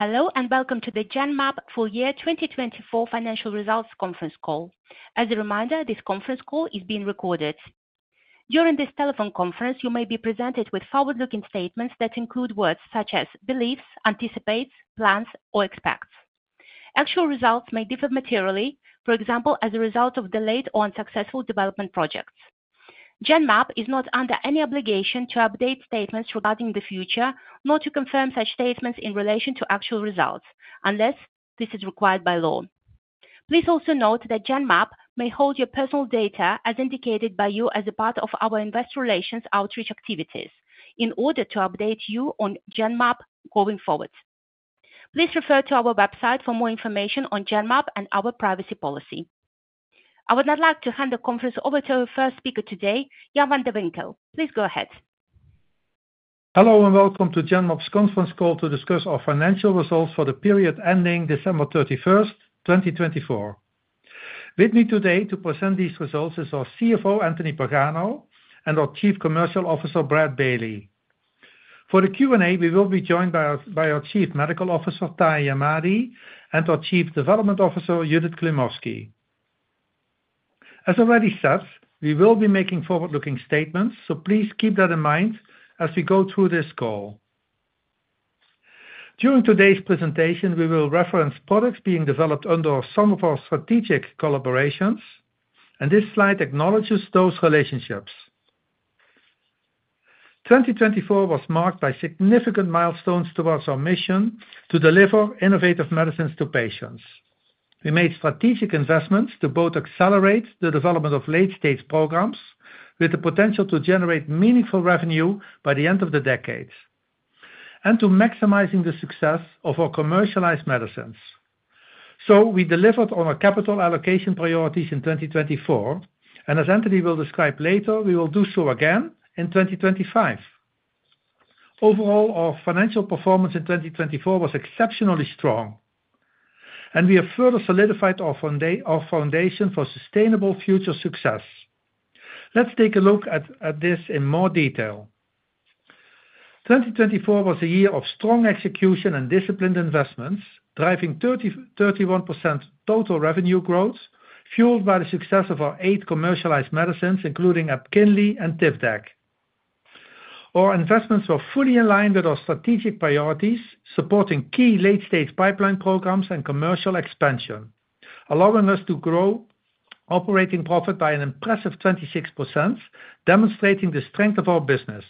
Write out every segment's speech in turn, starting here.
Hello, and welcome to the Genmab Full Year 2024 Financial Results Conference Call. As a reminder, this conference call is being recorded. During this telephone conference, you may be presented with forward-looking statements that include words such as beliefs, anticipates, plans, or expects. Actual results may differ materially, for example, as a result of delayed or unsuccessful development projects. Genmab is not under any obligation to update statements regarding the future, nor to confirm such statements in relation to actual results, unless this is required by law. Please also note that Genmab may hold your personal data as indicated by you as a part of our investor relations outreach activities in order to update you on Genmab going forward. Please refer to our website for more information on Genmab and our privacy policy. I would now like to hand the conference over to our first speaker today, Jan van de Winkel. Please go ahead. Hello and welcome to Genmab's conference call to discuss our financial results for the period ending December 31st, 2024. With me today to present these results is our CFO, Anthony Pagano, and our Chief Commercial Officer, Brad Bailey. For the Q&A, we will be joined by our Chief Medical Officer, Tahamtan Ahmadi, and our Chief Development Officer, Judith Klimovsky. As already said, we will be making forward-looking statements, so please keep that in mind as we go through this call. During today's presentation, we will reference products being developed under some of our strategic collaborations, and this slide acknowledges those relationships. 2024 was marked by significant milestones towards our mission to deliver innovative medicines to patients. We made strategic investments to both accelerate the development of late-stage programs with the potential to generate meaningful revenue by the end of the decade and to maximize the success of our commercialized medicines. We delivered on our capital allocation priorities in 2024, and as Anthony will describe later, we will do so again in 2025. Overall, our financial performance in 2024 was exceptionally strong, and we have further solidified our foundation for sustainable future success. Let's take a look at this in more detail. 2024 was a year of strong execution and disciplined investments, driving 31% total revenue growth fueled by the success of our eight commercialized medicines, including EPKINLY and Tivdak. Our investments were fully aligned with our strategic priorities, supporting key late-stage pipeline programs and commercial expansion, allowing us to grow operating profit by an impressive 26%, demonstrating the strength of our business.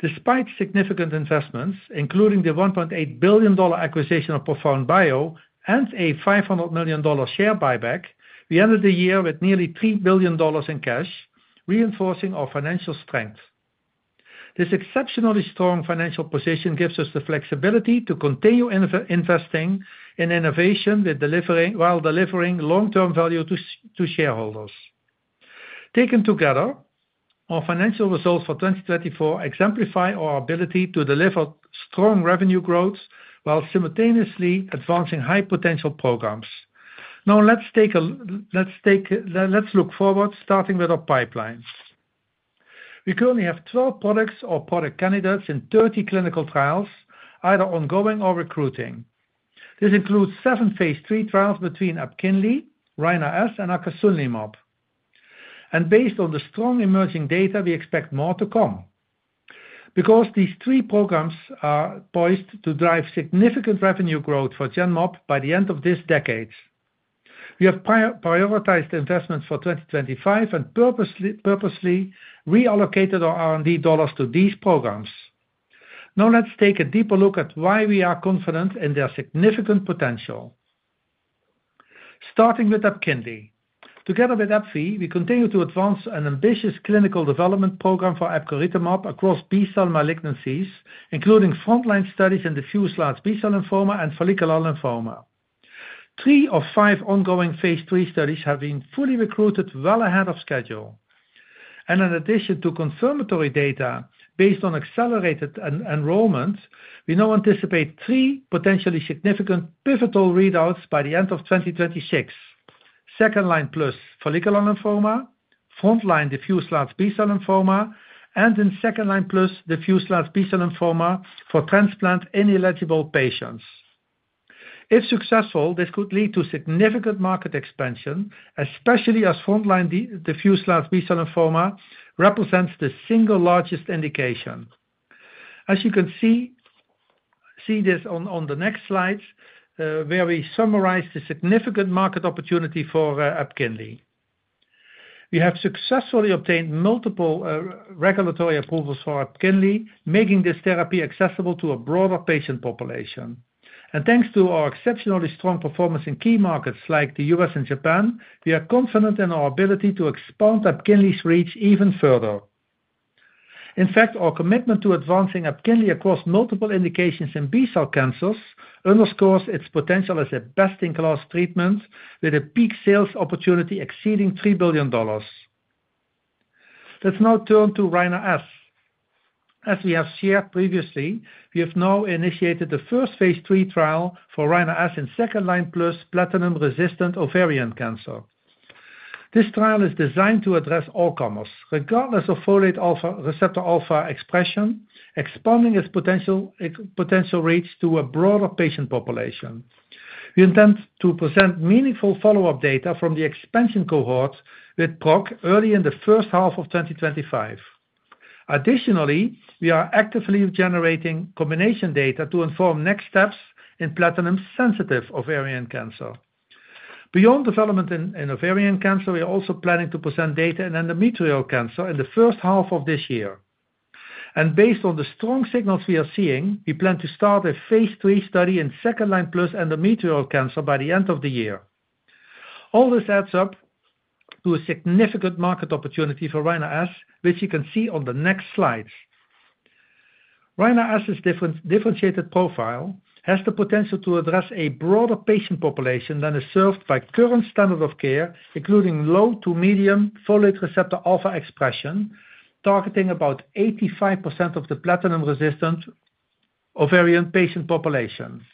Despite significant investments, including the $1.8 billion acquisition of ProfoundBio and a $500 million share buyback, we ended the year with nearly $3 billion in cash, reinforcing our financial strength. This exceptionally strong financial position gives us the flexibility to continue investing in innovation while delivering long-term value to shareholders. Taken together, our financial results for 2024 exemplify our ability to deliver strong revenue growth while simultaneously advancing high-potential programs. Now, let's look forward, starting with our pipeline. We currently have 12 products or product candidates in 30 clinical trials, either ongoing or recruiting. This includes seven phase three trials between EPKINLY, Rina-S, and acasunlimab. And based on the strong emerging data, we expect more to come because these three programs are poised to drive significant revenue growth for Genmab by the end of this decade. We have prioritized investments for 2025 and purposely reallocated our R&D dollars to these programs. Now, let's take a deeper look at why we are confident in their significant potential. Starting with EPKINLY. Together with AbbVie, we continue to advance an ambitious clinical development program for epcoritamab across B-cell malignancies, including frontline studies in diffuse large B-cell lymphoma and follicular lymphoma. Three of five ongoing phase three studies have been fully recruited well ahead of schedule. And in addition to confirmatory data based on accelerated enrollment, we now anticipate three potentially significant pivotal readouts by the end of 2026: second-line plus follicular lymphoma, frontline diffuse large B-cell lymphoma, and in second-line plus diffuse large B-cell lymphoma for transplant-ineligible patients. If successful, this could lead to significant market expansion, especially as frontline diffuse large B-cell lymphoma represents the single largest indication. As you can see this on the next slides, where we summarize the significant market opportunity for EPKINLY. We have successfully obtained multiple regulatory approvals for EPKINLY, making this therapy accessible to a broader patient population. Thanks to our exceptionally strong performance in key markets like the U.S. and Japan, we are confident in our ability to expand EPKINLY's reach even further. In fact, our commitment to advancing EPKINLY across multiple indications in B-cell cancers underscores its potential as a best-in-class treatment with a peak sales opportunity exceeding $3 billion. Let's now turn to Rina-S. As we have shared previously, we have now initiated the first phase three trial for Rina-S in second-line plus platinum-resistant ovarian cancer. This trial is designed to address all comers, regardless of folate receptor alpha expression, expanding its potential reach to a broader patient population. We intend to present meaningful follow-up data from the expansion cohort with PROC early in the first half of 2025. Additionally, we are actively generating combination data to inform next steps in platinum-sensitive ovarian cancer. Beyond development in ovarian cancer, we are also planning to present data in endometrial cancer in the first half of this year, and based on the strong signals we are seeing, we plan to start a phase three study in second-line plus endometrial cancer by the end of the year. All this adds up to a significant market opportunity for Rina-S, which you can see on the next slides. Rina-S' differentiated profile has the potential to address a broader patient population than is served by current standard of care, including low to medium folate receptor alpha expression, targeting about 85% of the platinum-resistant ovarian patient population.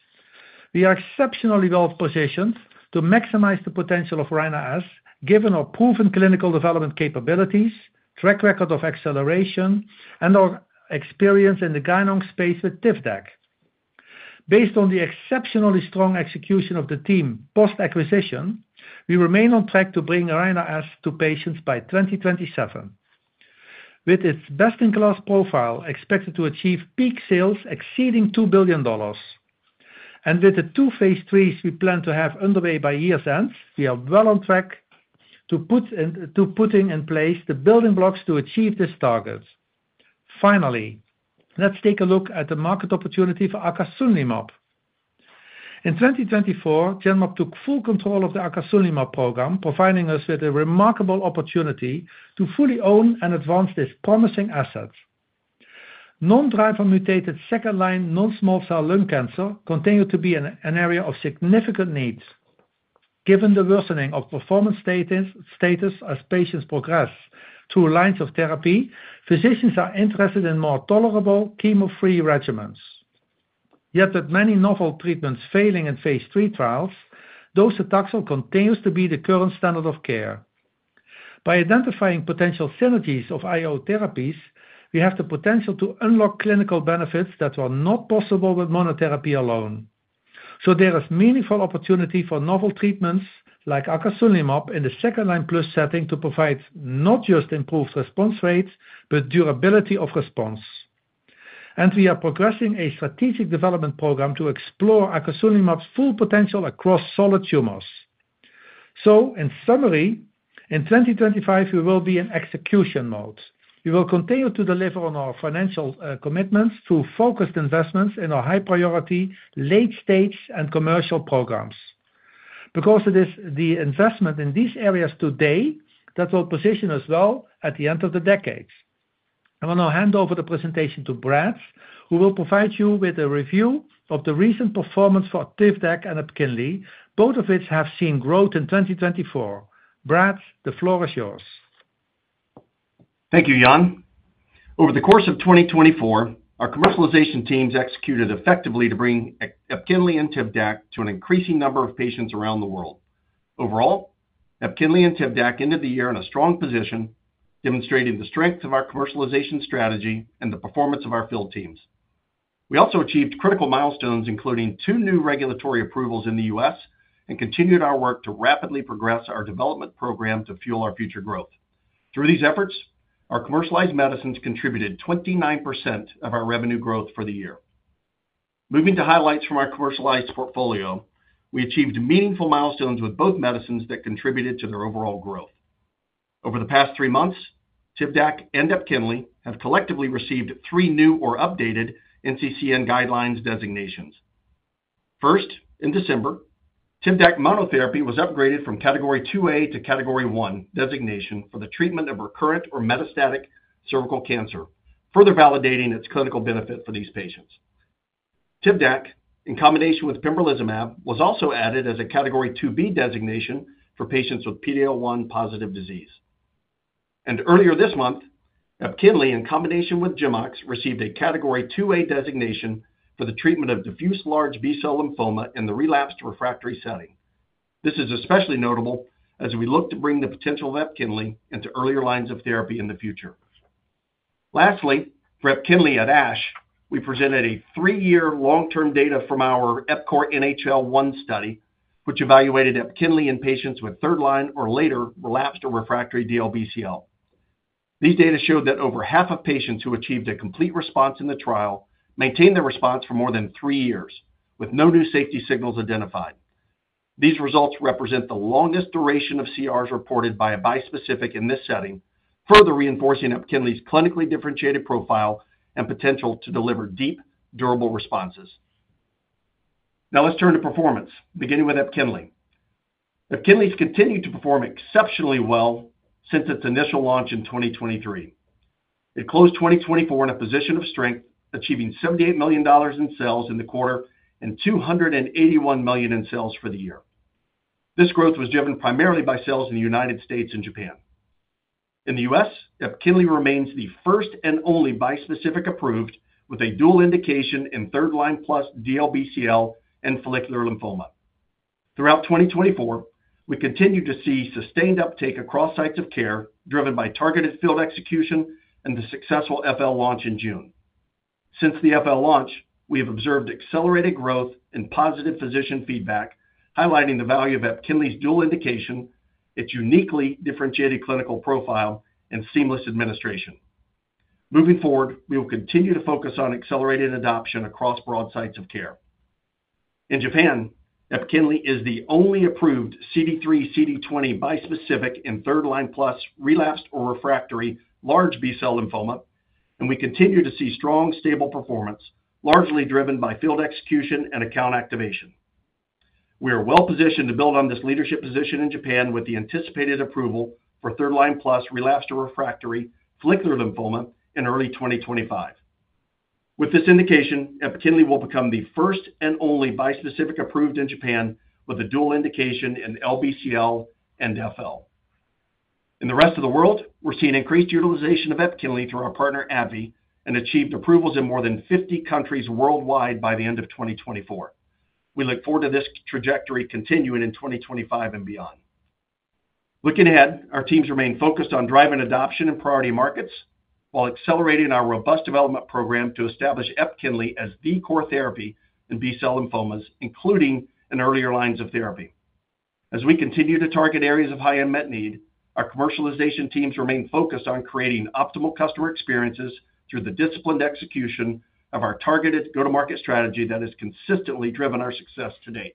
We are exceptionally well positioned to maximize the potential of Rina-S, given our proven clinical development capabilities, track record of acceleration, and our experience in the gynecologic space with Tivdak. Based on the exceptionally strong execution of the team post-acquisition, we remain on track to bring Rina-S to patients by 2027, with its best-in-class profile expected to achieve peak sales exceeding $2 billion, and with the two phase threes we plan to have underway by year's end, we are well on track to put in place the building blocks to achieve this target. Finally, let's take a look at the market opportunity for Acasunlimab. In 2024, Genmab took full control of the Acasunlimab program, providing us with a remarkable opportunity to fully own and advance this promising asset. Non-driver-mutated second-line non-small cell lung cancer continues to be an area of significant need. Given the worsening of performance status as patients progress through lines of therapy, physicians are interested in more tolerable chemo-free regimens. Yet, with many novel treatments failing in phase three trials, docetaxel continues to be the current standard of care. By identifying potential synergies of IO therapies, we have the potential to unlock clinical benefits that are not possible with monotherapy alone, so there is meaningful opportunity for novel treatments like acasunlimab in the second-line plus setting to provide not just improved response rates, but durability of response, and we are progressing a strategic development program to explore acasunlimab's full potential across solid tumors, so, in summary, in 2025, we will be in execution mode. We will continue to deliver on our financial commitments through focused investments in our high-priority late-stage and commercial programs. Because it is the investment in these areas today that will position us well at the end of the decade. I will now hand over the presentation to Brad, who will provide you with a review of the recent performance for Tivdak and Epkinly, both of which have seen growth in 2024. Brad, the floor is yours. Thank you, Jan. Over the course of 2024, our commercialization teams executed effectively to bring EPKINLY and Tivdak to an increasing number of patients around the world. Overall, EPKINLY and Tivdak ended the year in a strong position, demonstrating the strength of our commercialization strategy and the performance of our field teams. We also achieved critical milestones, including two new regulatory approvals in the U.S., and continued our work to rapidly progress our development program to fuel our future growth. Through these efforts, our commercialized medicines contributed 29% of our revenue growth for the year. Moving to highlights from our commercialized portfolio, we achieved meaningful milestones with both medicines that contributed to their overall growth. Over the past three months, Tivdak and EPKINLY have collectively received three new or updated NCCN guidelines designations. First, in December, Tivdak monotherapy was upgraded from category 2A to category 1 designation for the treatment of recurrent or metastatic cervical cancer, further validating its clinical benefit for these patients. Tivdak, in combination with pembrolizumab, was also added as a category 2B designation for patients with PD-L1-positive disease. And earlier this month, EPKINLY, in combination with GemOx, received a category 2A designation for the treatment of diffuse large B-cell lymphoma in the relapsed refractory setting. This is especially notable as we look to bring the potential of EPKINLY into earlier lines of therapy in the future. Lastly, for EPKINLY at ASH, we presented three-year long-term data from our EPCORE NHL-1 study, which evaluated EPKINLY in patients with third-line or later relapsed or refractory DLBCL. These data showed that over half of patients who achieved a complete response in the trial maintained their response for more than three years, with no new safety signals identified. These results represent the longest duration of CRs reported by a bispecific in this setting, further reinforcing EPKINLY's clinically differentiated profile and potential to deliver deep, durable responses. Now, let's turn to performance, beginning with EPKINLY. EPKINLY has continued to perform exceptionally well since its initial launch in 2023. It closed 2024 in a position of strength, achieving $78 million in sales in the quarter and $281 million in sales for the year. This growth was driven primarily by sales in the United States and Japan. In the US, EPKINLY remains the first and only bispecific approved with a dual indication in third-line plus DLBCL and follicular lymphoma. Throughout 2024, we continued to see sustained uptake across sites of care, driven by targeted field execution and the successful FL launch in June. Since the FL launch, we have observed accelerated growth and positive physician feedback, highlighting the value of EPKINLY's dual indication, its uniquely differentiated clinical profile, and seamless administration. Moving forward, we will continue to focus on accelerated adoption across broad sites of care. In Japan, EPKINLY is the only approved CD3/CD20 bispecific in third-line plus relapsed or refractory large B-cell lymphoma, and we continue to see strong, stable performance, largely driven by field execution and account activation. We are well positioned to build on this leadership position in Japan with the anticipated approval for third-line plus relapsed or refractory follicular lymphoma in early 2025. With this indication, EPKINLY will become the first and only bispecific approved in Japan with a dual indication in LBCL and FL. In the rest of the world, we're seeing increased utilization of EPKINLY through our partner AbbVie and achieved approvals in more than 50 countries worldwide by the end of 2024. We look forward to this trajectory continuing in 2025 and beyond. Looking ahead, our teams remain focused on driving adoption in priority markets while accelerating our robust development program to establish EPKINLY as the core therapy in B-cell lymphomas, including in earlier lines of therapy. As we continue to target areas of high unmet need, our commercialization teams remain focused on creating optimal customer experiences through the disciplined execution of our targeted go-to-market strategy that has consistently driven our success to date.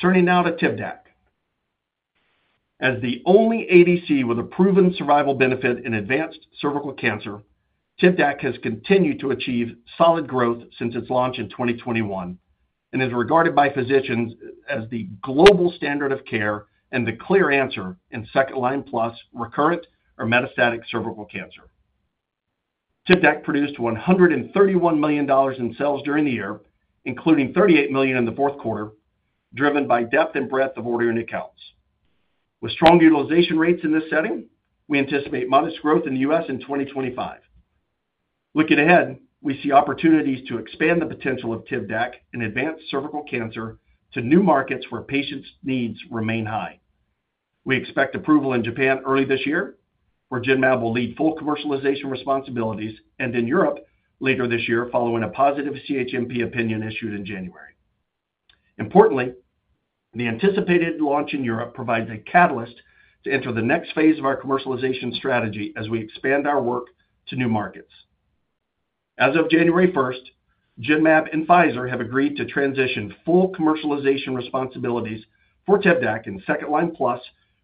Turning now to Tivdak. As the only ADC with a proven survival benefit in advanced cervical cancer, Tivdak has continued to achieve solid growth since its launch in 2021 and is regarded by physicians as the global standard of care and the clear answer in second-line plus recurrent or metastatic cervical cancer. Tivdak produced $131 million in sales during the year, including $38 million in the fourth quarter, driven by depth and breadth of ordering accounts. With strong utilization rates in this setting, we anticipate modest growth in the U.S. in 2025. Looking ahead, we see opportunities to expand the potential of Tivdak in advanced cervical cancer to new markets where patients' needs remain high. We expect approval in Japan early this year, where Genmab will lead full commercialization responsibilities, and in Europe later this year, following a positive CHMP opinion issued in January. Importantly, the anticipated launch in Europe provides a catalyst to enter the next phase of our commercialization strategy as we expand our work to new markets. As of January 1st, Genmab and Pfizer have agreed to transition full commercialization responsibilities for Tivdak in second-line plus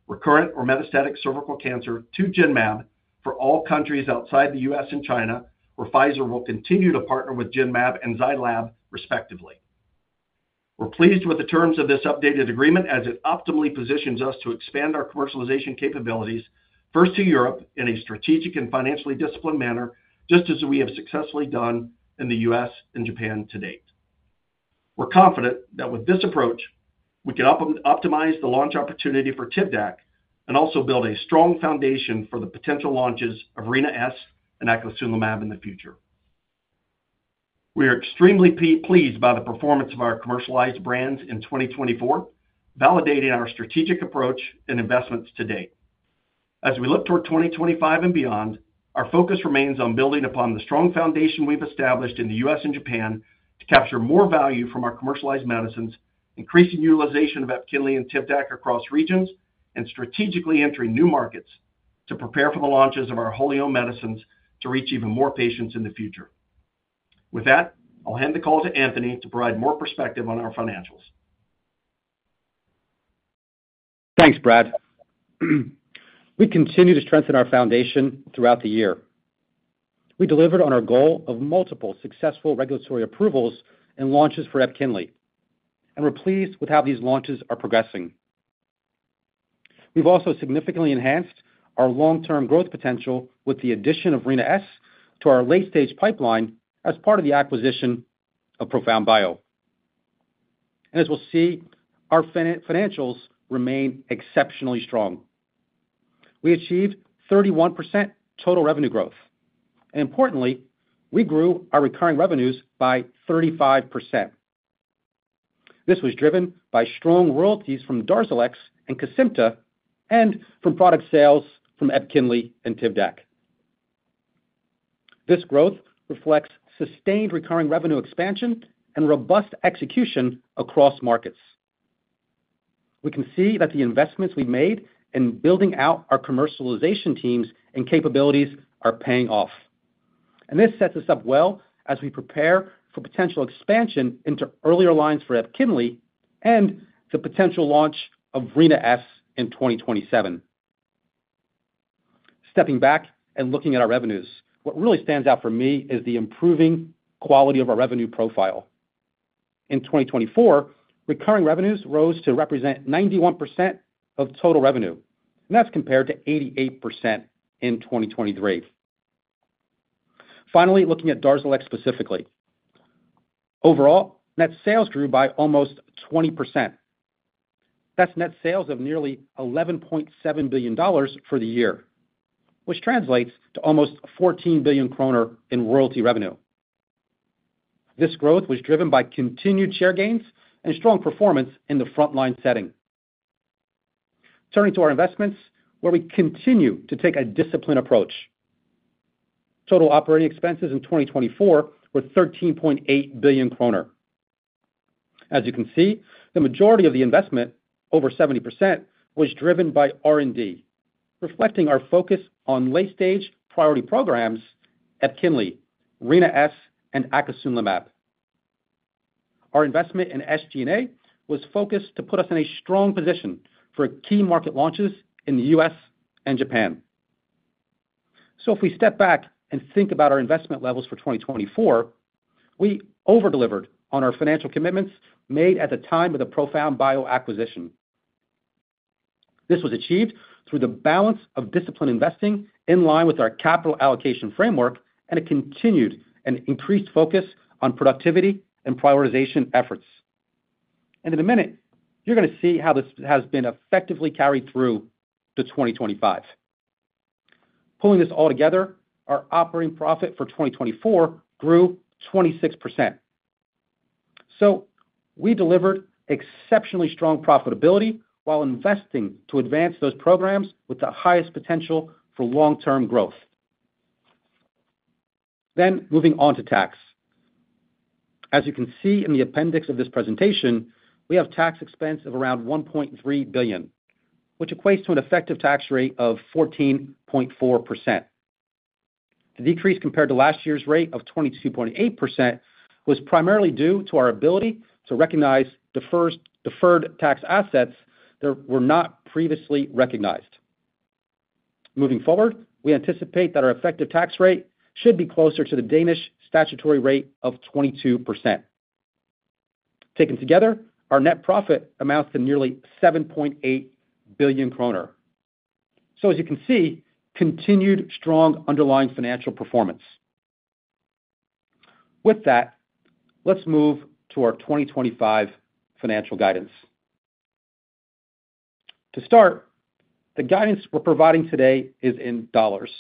recurrent or metastatic cervical cancer to Genmab for all countries outside the U.S. and China, where Pfizer will continue to partner with Genmab and Zai Lab, respectively. We're pleased with the terms of this updated agreement as it optimally positions us to expand our commercialization capabilities first to Europe in a strategic and financially disciplined manner, just as we have successfully done in the U.S. and Japan to date. We're confident that with this approach, we can optimize the launch opportunity for Tivdak and also build a strong foundation for the potential launches of Rina-S and acasunlimab in the future. We are extremely pleased by the performance of our commercialized brands in 2024, validating our strategic approach and investments to date. As we look toward 2025 and beyond, our focus remains on building upon the strong foundation we've established in the U.S. and Japan to capture more value from our commercialized medicines, increasing utilization of EPKINLY and Tivdak across regions, and strategically entering new markets to prepare for the launches of our wholly owned medicines to reach even more patients in the future. With that, I'll hand the call to Anthony to provide more perspective on our financials. Thanks, Brad. We continue to strengthen our foundation throughout the year. We delivered on our goal of multiple successful regulatory approvals and launches for EPKINLY, and we're pleased with how these launches are progressing. We've also significantly enhanced our long-term growth potential with the addition of Rina-S to our late-stage pipeline as part of the acquisition of ProfoundBio. And as we'll see, our financials remain exceptionally strong. We achieved 31% total revenue growth. And importantly, we grew our recurring revenues by 35%. This was driven by strong royalties from DARZALEX and Kesimpta and from product sales from EPKINLY and Tivdak. This growth reflects sustained recurring revenue expansion and robust execution across markets. We can see that the investments we've made in building out our commercialization teams and capabilities are paying off. This sets us up well as we prepare for potential expansion into earlier lines for EPKINLY and the potential launch of Rina-S in 2027. Stepping back and looking at our revenues, what really stands out for me is the improving quality of our revenue profile. In 2024, recurring revenues rose to represent 91% of total revenue, and that's compared to 88% in 2023. Finally, looking at DARZALEX specifically, overall, net sales grew by almost 20%. That's net sales of nearly $11.7 billion for the year, which translates to almost 14 billion kroner in royalty revenue. This growth was driven by continued share gains and strong performance in the front-line setting. Turning to our investments, where we continue to take a disciplined approach. Total operating expenses in 2024 were 13.8 billion kroner. As you can see, the majority of the investment, over 70%, was driven by R&D, reflecting our focus on late-stage priority programs at Epkinly, Rina-S, and Acasunlimab. Our investment in SG&A was focused to put us in a strong position for key market launches in the U.S. and Japan. So if we step back and think about our investment levels for 2024, we overdelivered on our financial commitments made at the time of the ProfoundBio acquisition. This was achieved through the balance of disciplined investing in line with our capital allocation framework and a continued and increased focus on productivity and prioritization efforts. And in a minute, you're going to see how this has been effectively carried through to 2025. Pulling this all together, our operating profit for 2024 grew 26%. So we delivered exceptionally strong profitability while investing to advance those programs with the highest potential for long-term growth. Then moving on to tax. As you can see in the appendix of this presentation, we have tax expense of around 1.3 billion, which equates to an effective tax rate of 14.4%. The decrease compared to last year's rate of 22.8% was primarily due to our ability to recognize deferred tax assets that were not previously recognized. Moving forward, we anticipate that our effective tax rate should be closer to the Danish statutory rate of 22%. Taken together, our net profit amounts to nearly 7.8 billion kroner. So as you can see, continued strong underlying financial performance. With that, let's move to our 2025 financial guidance. To start, the guidance we're providing today is in dollars.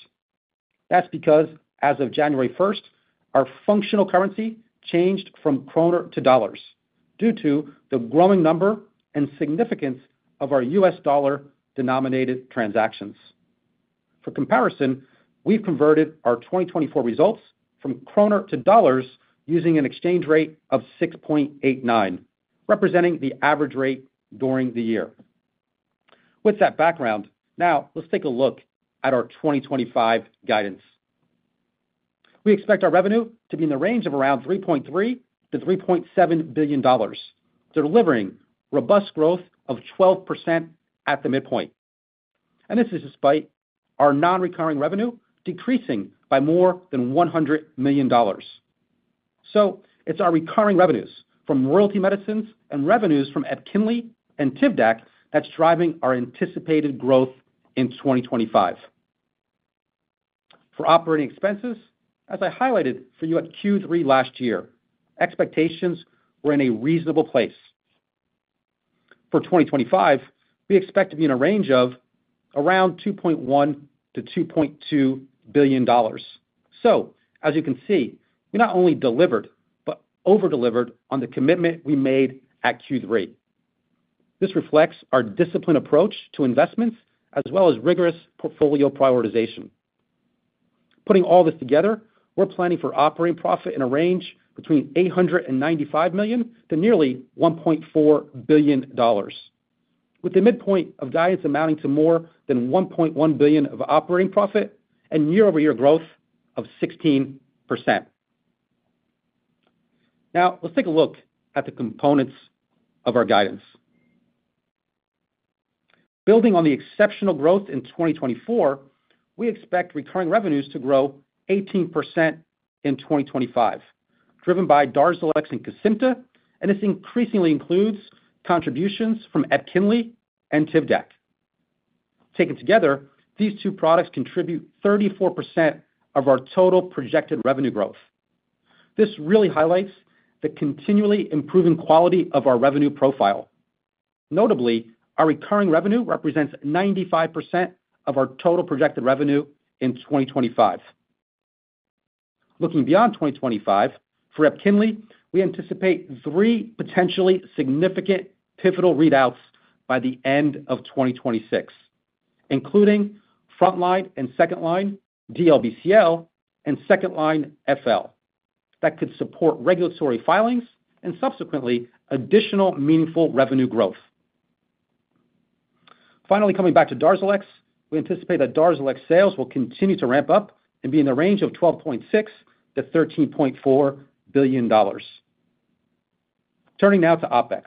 That's because, as of January 1st, our functional currency changed from kroner to dollars due to the growing number and significance of our U.S. dollar-denominated transactions. For comparison, we've converted our 2024 results from kroner to dollars using an exchange rate of 6.89, representing the average rate during the year. With that background, now let's take a look at our 2025 guidance. We expect our revenue to be in the range of around $3.3-$3.7 billion, delivering robust growth of 12% at the midpoint. And this is despite our non-recurring revenue decreasing by more than $100 million. So it's our recurring revenues from royalty medicines and revenues from EPKINLY and Tivdak that's driving our anticipated growth in 2025. For operating expenses, as I highlighted for you at Q3 last year, expectations were in a reasonable place. For 2025, we expect to be in a range of around $2.1-$2.2 billion. So as you can see, we not only delivered but overdelivered on the commitment we made at Q3. This reflects our disciplined approach to investments as well as rigorous portfolio prioritization. Putting all this together, we're planning for operating profit in a range between $895 million to nearly $1.4 billion, with the midpoint of guidance amounting to more than $1.1 billion of operating profit and year-over-year growth of 16%. Now, let's take a look at the components of our guidance. Building on the exceptional growth in 2024, we expect recurring revenues to grow 18% in 2025, driven by DARZALEX and Kesimpta, and this increasingly includes contributions from EPKINLY and Tivdak. Taken together, these two products contribute 34% of our total projected revenue growth. This really highlights the continually improving quality of our revenue profile. Notably, our recurring revenue represents 95% of our total projected revenue in 2025. Looking beyond 2025, for EPKINLY, we anticipate three potentially significant pivotal readouts by the end of 2026, including front-line and second-line DLBCL and second-line FL that could support regulatory filings and subsequently additional meaningful revenue growth. Finally, coming back to DARZALEX, we anticipate that DARZALEX sales will continue to ramp up and be in the range of $12.6-$13.4 billion. Turning now to OpEx.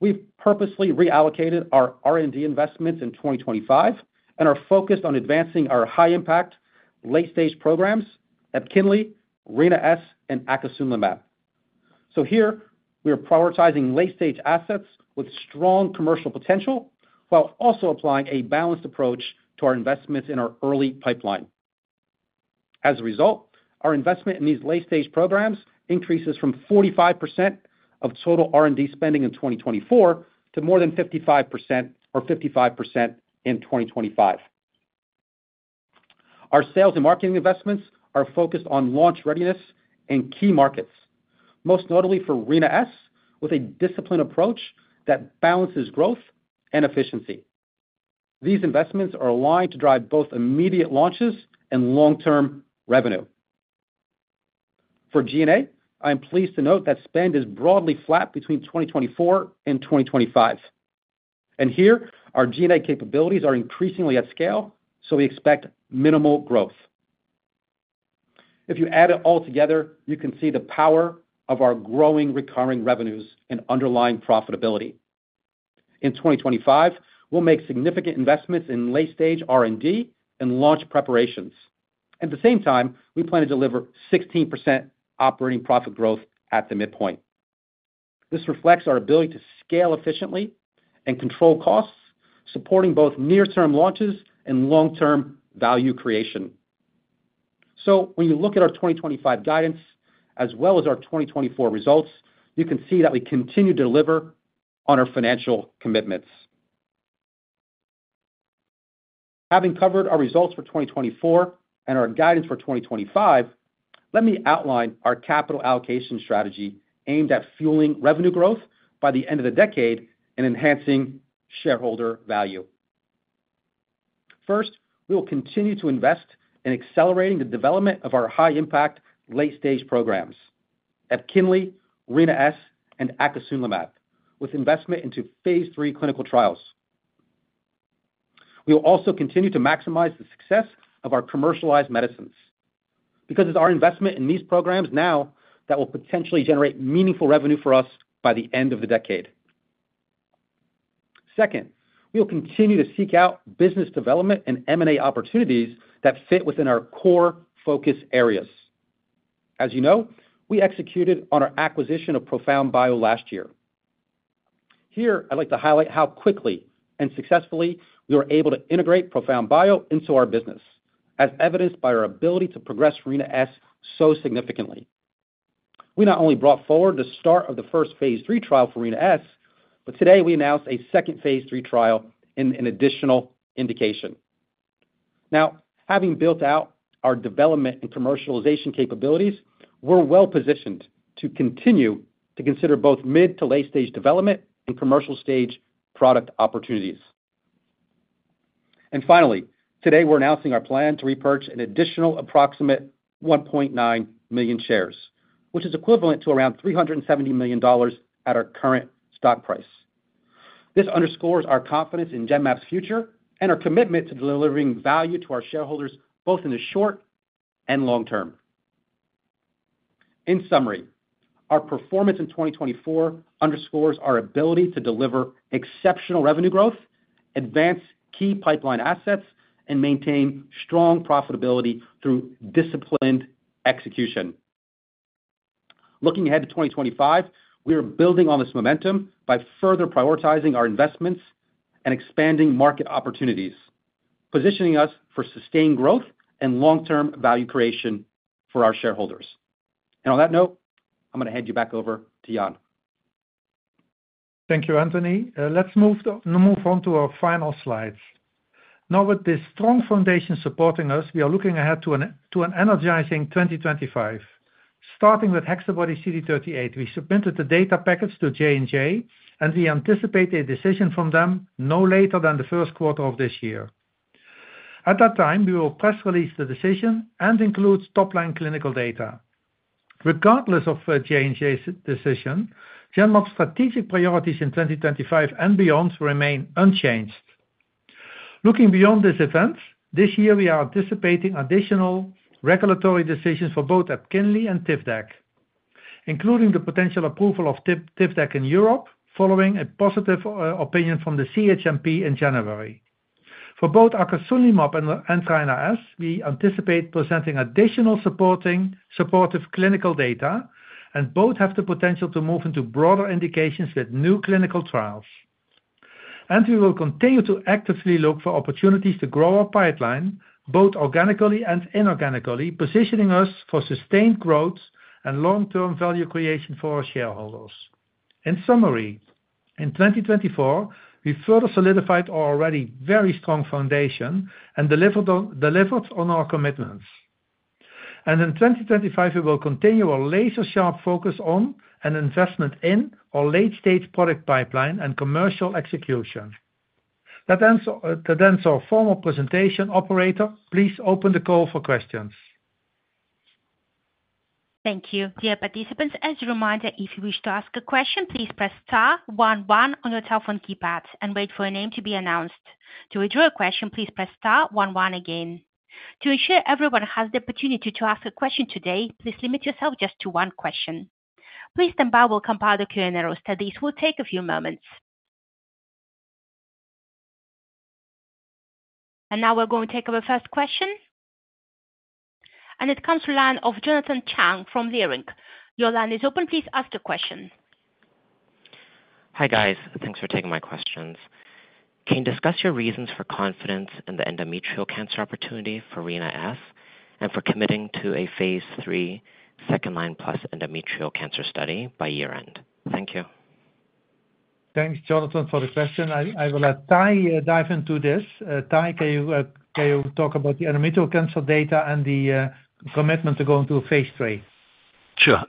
We've purposely reallocated our R&D investments in 2025 and are focused on advancing our high-impact late-stage programs at EPKINLY, Rina-S, and Acasunlimab. So here, we are prioritizing late-stage assets with strong commercial potential while also applying a balanced approach to our investments in our early pipeline. As a result, our investment in these late-stage programs increases from 45% of total R&D spending in 2024 to more than 55% or 55% in 2025. Our sales and marketing investments are focused on launch readiness and key markets, most notably for Rina-S, with a disciplined approach that balances growth and efficiency. These investments are aligned to drive both immediate launches and long-term revenue. For G&A, I am pleased to note that spend is broadly flat between 2024 and 2025, and here, our G&A capabilities are increasingly at scale, so we expect minimal growth. If you add it all together, you can see the power of our growing recurring revenues and underlying profitability. In 2025, we'll make significant investments in late-stage R&D and launch preparations. At the same time, we plan to deliver 16% operating profit growth at the midpoint. This reflects our ability to scale efficiently and control costs, supporting both near-term launches and long-term value creation. So when you look at our 2025 guidance as well as our 2024 results, you can see that we continue to deliver on our financial commitments. Having covered our results for 2024 and our guidance for 2025, let me outline our capital allocation strategy aimed at fueling revenue growth by the end of the decade and enhancing shareholder value. First, we will continue to invest in accelerating the development of our high-impact late-stage programs: EPKINLY, Rina-S, and acasunlimab, with investment into phase three clinical trials. We will also continue to maximize the success of our commercialized medicines because it's our investment in these programs now that will potentially generate meaningful revenue for us by the end of the decade. Second, we will continue to seek out business development and M&A opportunities that fit within our core focus areas. As you know, we executed on our acquisition of ProfoundBio last year. Here, I'd like to highlight how quickly and successfully we were able to integrate ProfoundBio into our business, as evidenced by our ability to progress Rina-S so significantly. We not only brought forward the start of the first phase three trial for Rina-S, but today we announced a second phase three trial in an additional indication. Now, having built out our development and commercialization capabilities, we're well positioned to continue to consider both mid- to late-stage development and commercial stage product opportunities. And finally, today we're announcing our plan to repurchase an additional approximate 1.9 million shares, which is equivalent to around $370 million at our current stock price. This underscores our confidence in Genmab's future and our commitment to delivering value to our shareholders both in the short and long term. In summary, our performance in 2024 underscores our ability to deliver exceptional revenue growth, advance key pipeline assets, and maintain strong profitability through disciplined execution. Looking ahead to 2025, we are building on this momentum by further prioritizing our investments and expanding market opportunities, positioning us for sustained growth and long-term value creation for our shareholders, and on that note, I'm going to hand you back over to Jan. Thank you, Anthony. Let's move on to our final slides. Now, with this strong foundation supporting us, we are looking ahead to an energizing 2025. Starting with HexaBody CD38, we submitted the data package to J&J, and we anticipate a decision from them no later than the first quarter of this year. At that time, we will press release the decision and include top-line clinical data. Regardless of J&J's decision, Genmab's strategic priorities in 2025 and beyond remain unchanged. Looking beyond this event, this year we are anticipating additional regulatory decisions for both EPKINLY and Tivdak, including the potential approval of Tivdak in Europe following a positive opinion from the CHMP in January. For both EPKINLY and Tivdak, we anticipate presenting additional supportive clinical data, and both have the potential to move into broader indications with new clinical trials. And we will continue to actively look for opportunities to grow our pipeline, both organically and inorganically, positioning us for sustained growth and long-term value creation for our shareholders. In summary, in 2024, we further solidified our already very strong foundation and delivered on our commitments. And in 2025, we will continue our laser-sharp focus on and investment in our late-stage product pipeline and commercial execution. That ends our formal presentation. Operator, please open the call for questions. Thank you. Dear participants, as a reminder, if you wish to ask a question, please press star 11 on your telephone keypad and wait for your name to be announced. To withdraw a question, please press star one one again. To ensure everyone has the opportunity to ask a question today, please limit yourself just to one question. Please stand by, we'll compile the Q&A now, so this will take a few moments. Now we're going to take our first question. It comes from the line of Jonathan Chang from Leerink. Your line is open, please ask your question. Hi guys, thanks for taking my questions. Can you discuss your reasons for confidence in the endometrial cancer opportunity for Rina-S and for committing to a phase three second-line plus endometrial cancer study by year-end? Thank you. Thanks, Jonathan, for the question. I will let Tahi dive into this. Tahi, can you talk about the endometrial cancer data and the commitment to going to a phase 3? Sure.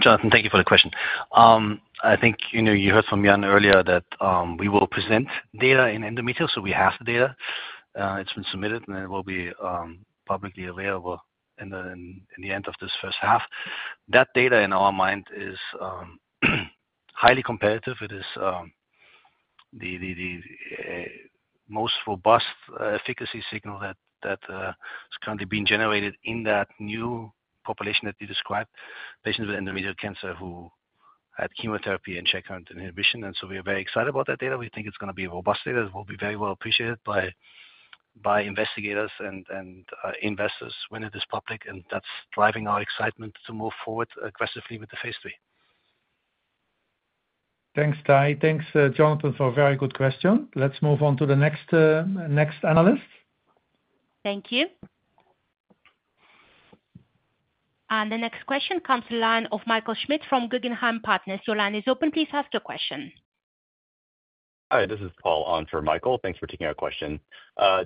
Jonathan, thank you for the question. I think you heard from Jan earlier that we will present data in endometrial, so we have the data. It's been submitted, and it will be publicly available in the end of this first half. That data, in our mind, is highly competitive. It is the most robust efficacy signal that is currently being generated in that new population that you described, patients with endometrial cancer who had chemotherapy and checkpoint inhibition. And so we are very excited about that data. We think it's going to be robust data. It will be very well appreciated by investigators and investors when it is public. And that's driving our excitement to move forward aggressively with the phase 3. Thanks, Tahi. Thanks, Jonathan, for a very good question. Let's move on to the next analyst. Thank you. And the next question comes from the line of Michael Schmidt from Guggenheim Partners. Your line is open. Please ask your question. Hi, this is Paul on for Michael. Thanks for taking our question.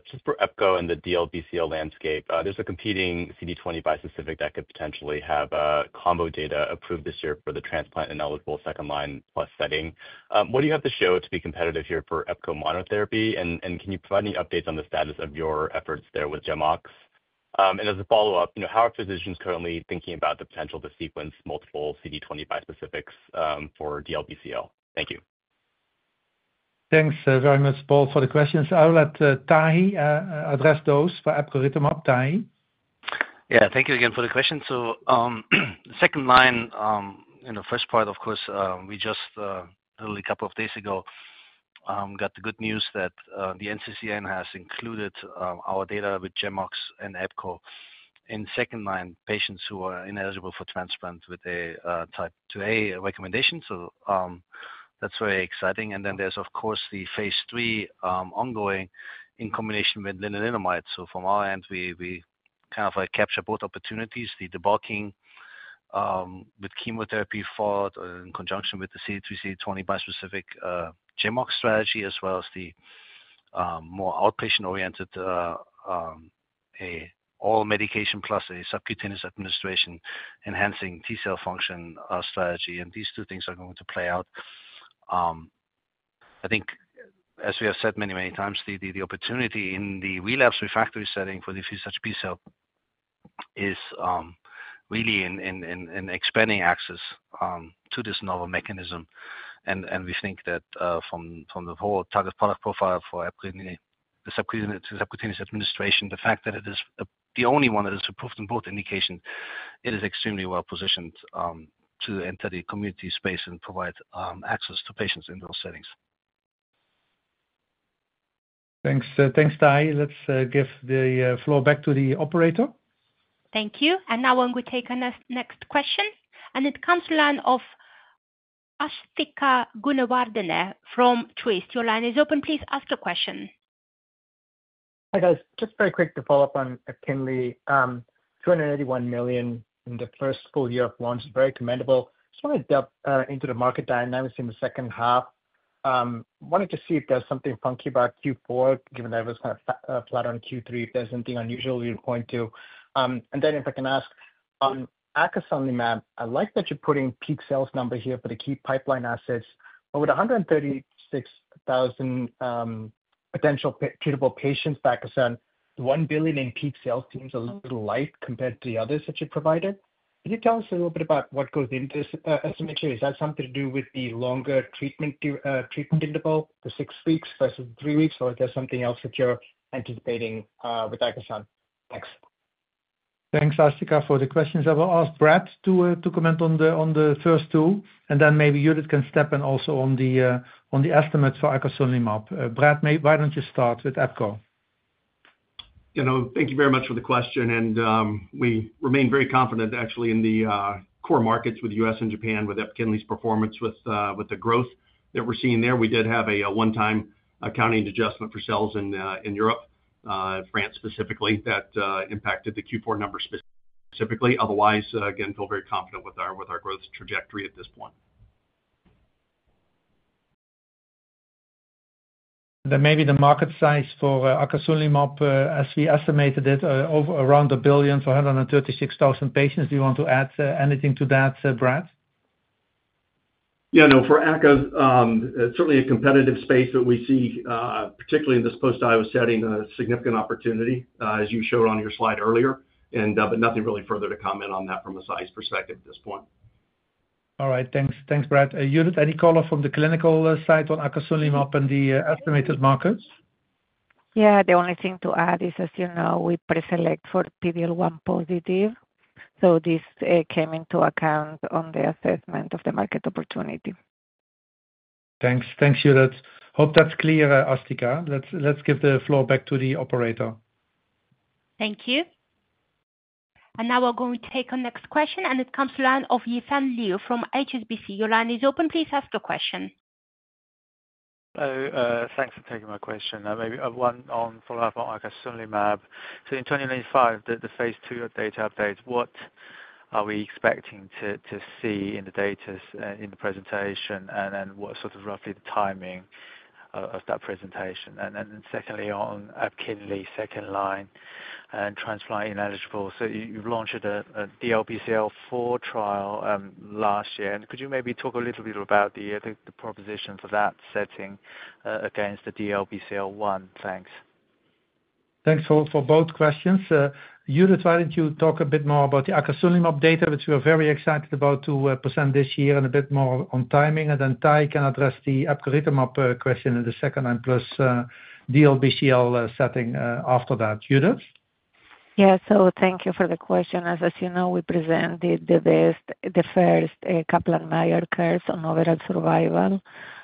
Just for epco and the DLBCL landscape, there's a competing CD20 bispecific that could potentially have combo data approved this year for the transplant-ineligible second-line plus setting. What do you have to show to be competitive here for epco monotherapy? And can you provide any updates on the status of your efforts there with GemOx? And as a follow-up, how are physicians currently thinking about the potential to sequence multiple CD20 bispecifics for DLBCL? Thank you. Thanks very much, Paul, for the questions. I will let Tahi address those for epcoritamab. Tahi? Yeah, thank you again for the question. So second line, in the first part, of course, we just, a couple of days ago, got the good news that the NCCN has included our data with GemOx and epco. In second line, patients who are ineligible for transplant with a type 2A recommendation. So that's very exciting. And then there's, of course, the phase three ongoing in combination with lenalidomide. So from our end, we kind of capture both opportunities, the debulking with chemotherapy followed in conjunction with the CD20 bispecific GemOx strategy, as well as the more outpatient-oriented oral medication plus a subcutaneous administration enhancing T-cell function strategy. And these two things are going to play out. I think, as we have said many, many times, the opportunity in the relapse refractory setting for the B-cell is really an expanding axis to this novel mechanism. And we think that from the whole target product profile for the subcutaneous administration, the fact that it is the only one that is approved in both indications, it is extremely well positioned to enter the community space and provide access to patients in those settings. Thanks. Thanks, Tahi. Let's give the floor back to the operator. Thank you. And now we'll take our next question. And it comes from the line of Asthika Goonewardene from Truist. Your line is open. Please ask your question. Hi guys. Just very quick to follow up on EPKINLY. $281 million in the first full year of launch is very commendable. Just want to delve into the market dynamics in the second half. Wanted to see if there's something funky about Q4, given that it was kind of flat on Q3, if there's anything unusual we're going to. And then if I can ask, epcoritamab. I like that you're putting peak sales number here for the key pipeline assets. But with 136,000 potential treatable patients for epcoritamab, $1 billion in peak sales seems a little light compared to the others that you provided. Can you tell us a little bit about what goes into this estimate here? Is that something to do with the longer treatment interval, the six weeks versus three weeks, or is there something else that you're anticipating with epcoritamab? Thanks. Thanks, Asthika, for the questions. I will ask Brad to comment on the first two, and then maybe Judith can step in also on the estimates for epcoritamab. Brad, why don't you start with epco? Thank you very much for the question. And we remain very confident, actually, in the core markets with the US and Japan, with EPKINLY's performance, with the growth that we're seeing there. We did have a one-time accounting adjustment for sales in Europe, France specifically, that impacted the Q4 number specifically. Otherwise, again, feel very confident with our growth trajectory at this point. Maybe the market size for epcoritamab, as we estimated it, around $1 billion for 136,000 patients. Do you want to add anything to that, Brad? Yeah, no, for aca's, it's certainly a competitive space that we see, particularly in this post-IO setting, a significant opportunity, as you showed on your slide earlier. But nothing really further to comment on that from a size perspective at this point. All right. Thanks, Brad. Judith, any follow-up from the clinical side on epcoritamab and the estimated markets? Yeah, the only thing to add is, as you know, we preselect for PD-L1 positive. So this came into account on the assessment of the market opportunity. Thanks. Thanks, Judith. Hope that's clear, Asthika. Let's give the floor back to the operator. Thank you. And now we're going to take our next question. And it comes from the line of Yifeng Liu from HSBC. Your line is open. Please ask your question. Thanks for taking my question. Maybe one on follow-up on Acasunlimab. So in 2025, the phase 2 data updates, what are we expecting to see in the data in the presentation, and then what's sort of roughly the timing of that presentation? And then secondly, on EPKINLY, second line, and transplant ineligible. So you've launched a DLBCL four trial last year. And could you maybe talk a little bit about the proposition for that setting against the DLBCL one? Thanks. Thanks for both questions. Judith, why don't you talk a bit more about the epcoritamab data, which we are very excited about to present this year and a bit more on timing. And then Tahi can address the epcoritamab question in the second line plus DLBCL setting after that. Judith? Yeah, so thank you for the question. As you know, we presented the first Kaplan-Meier curves on overall survival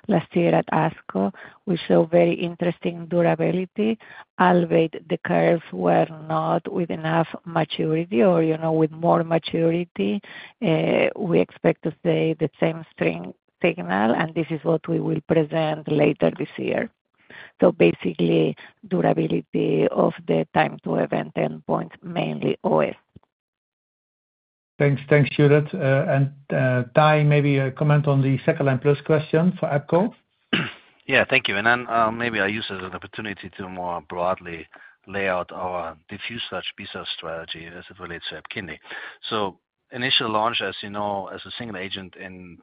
last year at ASCO. We showed very interesting durability. Although the curves were not with enough maturity or with more maturity, we expect to see the same strong signal, and this is what we will present later this year. So basically, durability of the time to event endpoints, mainly OS. Thanks, Judith. And Tahi, maybe a comment on the second line plus question for epco? Yeah, thank you. And then maybe I'll use it as an opportunity to more broadly lay out our diffuse large B-cell strategy as it relates to EPKINLY. So initial launch, as you know, as a single agent in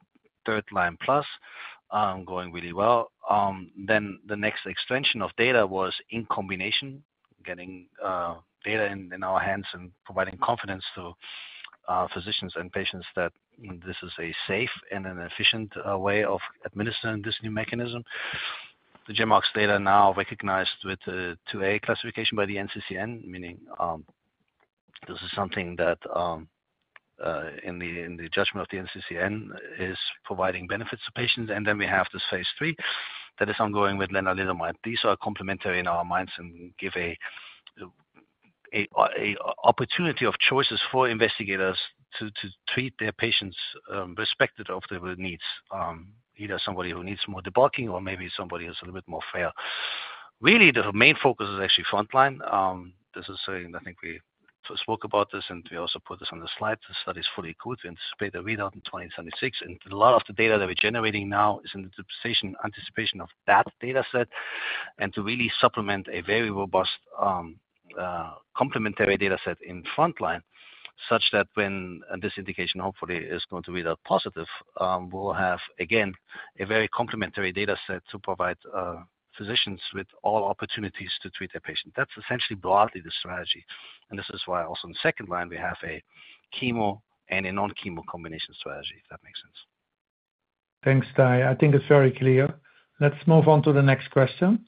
third line plus, going really well. Then the next extension of data was in combination, getting data in our hands and providing confidence to physicians and patients that this is a safe and an efficient way of administering this new mechanism. The GemOx data now recognized with a 2A classification by the NCCN, meaning this is something that, in the judgment of the NCCN, is providing benefits to patients. And then we have this phase 3 that is ongoing with lenalidomide. These are complementary in our minds and give an opportunity of choices for investigators to treat their patients respective of their needs, either somebody who needs more debulking or maybe somebody who's a little bit more frail. Really, the main focus is actually front line. This is something I think we spoke about this, and we also put this on the slide. The study is fully enrolled. We anticipate a readout in 2026, and a lot of the data that we're generating now is in the anticipation of that data set, and to really supplement a very robust complementary data set in front line, such that when this indication hopefully is going to readout positive, we'll have, again, a very complementary data set to provide physicians with all opportunities to treat their patients. That's essentially broadly the strategy. And this is why also in second line, we have a chemo and a non-chemo combination strategy, if that makes sense. Thanks, Tai. I think it's very clear. Let's move on to the next question.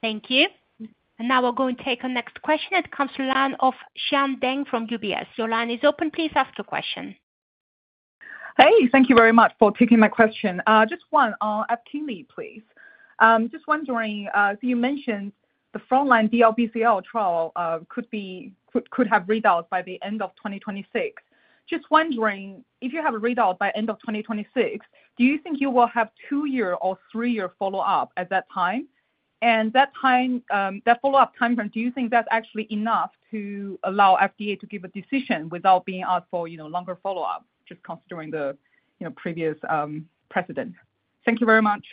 Thank you. And now we're going to take our next question. It comes from the line of Xian Deng from UBS. Your line is open. Please ask your question. Hey, thank you very much for taking my question. Just one, EPKINLY, please. Just wondering, so you mentioned the front line DLBCL trial could have readouts by the end of 2026. Just wondering, if you have a readout by the end of 2026, do you think you will have two-year or three-year follow-up at that time? And that follow-up time frame, do you think that's actually enough to allow FDA to give a decision without being asked for longer follow-up, just considering the previous precedent? Thank you very much.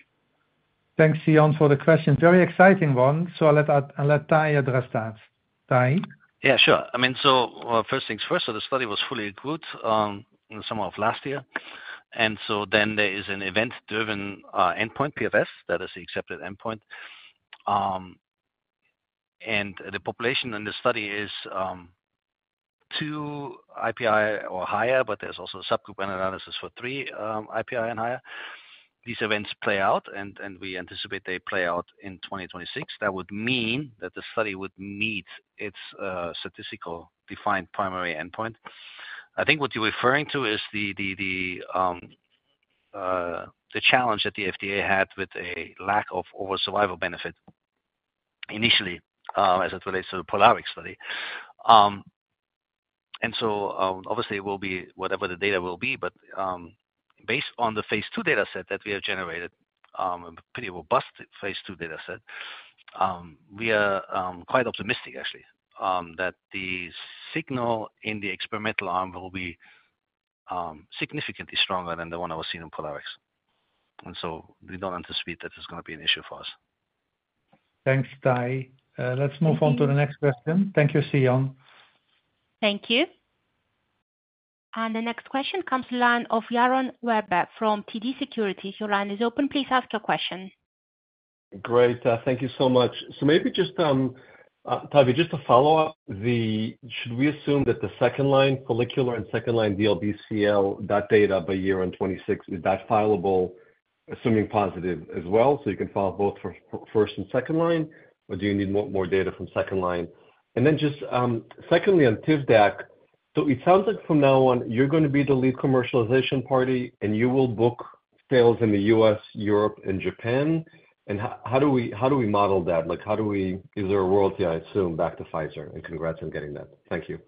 Thanks, Yaron, for the question. Very exciting one. So I'll let Tahi address that. Tahi? Yeah, sure. I mean, so first things first, so the study was fully enrolled in the summer of last year, and so then there is an event-driven endpoint, PFS, that is the accepted endpoint, and the population in the study is two IPI or higher, but there's also a subgroup analysis for three IPI and higher. These events play out, and we anticipate they play out in 2026. That would mean that the study would meet its statistically defined primary endpoint. I think what you're referring to is the challenge that the FDA had with a lack of overall survival benefit initially as it relates to the POLARIX study, and so obviously, it will be whatever the data will be. But based on the phase two data set that we have generated, a pretty robust phase two data set, we are quite optimistic, actually, that the signal in the experimental arm will be significantly stronger than the one I was seeing in POLARIX. And so we don't anticipate that there's going to be an issue for us. Thanks, Tai. Let's move on to the next question. Thank you, Xian. Thank you. And the next question comes from the line of Yaron Werber from TD Securities. Your line is open. Please ask your question. Great. Thank you so much. So maybe just, Tai, just to follow up, should we assume that the second line follicular and second line DLBCL, that data by year in 2026, is that filable, assuming positive as well? So you can file both for first and second line, or do you need more data from second line? Then just secondly, on Tivdak, so it sounds like from now on, you're going to be the lead commercialization partner, and you will book sales in the U.S., Europe, and Japan. And how do we model that? Is there a royalty, I assume, back to Pfizer? And congrats on getting that. Thank you.